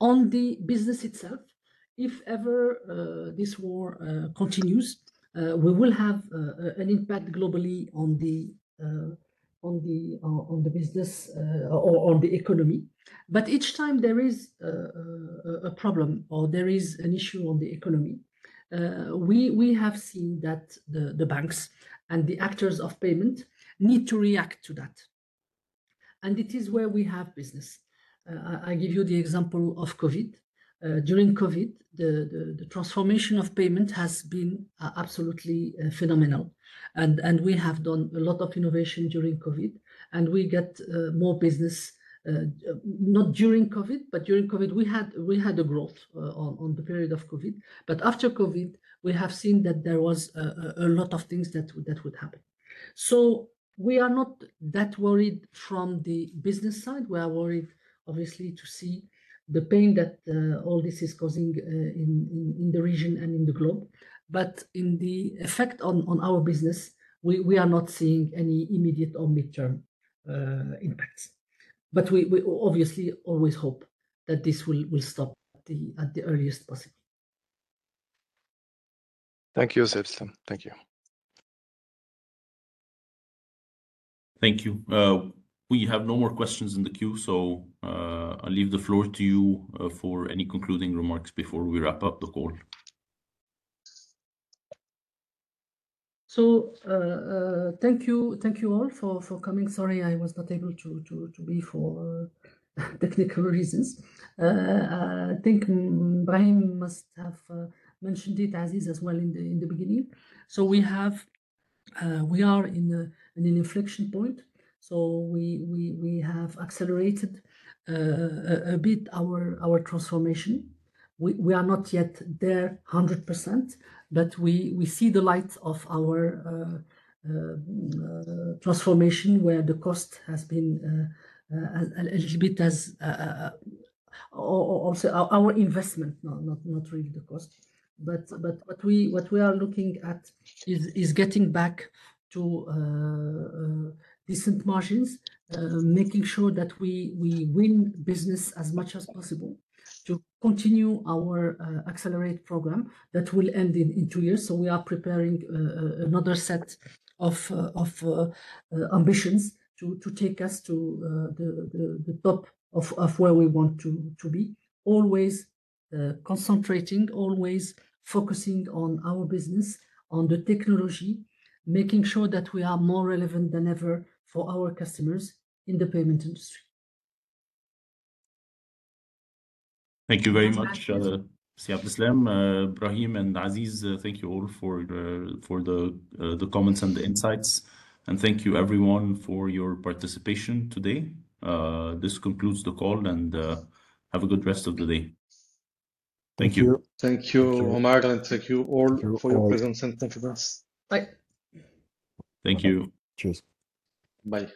Speaker 4: On the business itself, if ever this war continues, we will have an impact globally on the business or the economy. Each time there is a problem or there is an issue in the economy, we have seen that the banks and the actors of payment need to react to that. It is where we have business. I give you the example of COVID. During COVID, the transformation of payment has been absolutely phenomenal and we have done a lot of innovation during COVID, and we get more business, not during COVID, but during COVID, we had a growth on the period of COVID. After COVID, we have seen that there was a lot of things that would happen. We are not that worried from the business side. We are worried obviously to see the pain that all this is causing in the region and in the globe. In the effect on our business, we are not seeing any immediate or midterm impacts. We obviously always hope that this will stop at the earliest possible.
Speaker 3: Thank you, Abdeslam. Thank you.
Speaker 1: Thank you. We have no more questions in the queue, so, I'll leave the floor to you, for any concluding remarks before we wrap up the call.
Speaker 4: Thank you all for coming. Sorry I was not able to be for technical reasons. I think Brahim must have mentioned it, Aziz as well in the beginning. We are in an inflection point. We have accelerated a bit our transformation. We are not yet there 100%, but we see the light of our transformation where the cost has been a little bit. Or our investment, not really the cost. What we are looking at is getting back to decent margins, making sure that we win business as much as possible to continue our AccelR8 program that will end in two years. We are preparing another set of ambitions to take us to the top of where we want to be. Always concentrating, always focusing on our business, on the technology, making sure that we are more relevant than ever for our customers in the payment industry.
Speaker 1: Thank you very much, Abdeslam, Brahim, and Aziz. Thank you all for the comments and the insights, and thank you everyone for your participation today. This concludes the call, and have a good rest of the day. Thank you.
Speaker 6: Thank you.
Speaker 2: Thank you, Omar, and thank you all for your presence and thank you for this.
Speaker 4: Bye.
Speaker 1: Thank you.
Speaker 6: Cheers.
Speaker 2: Bye.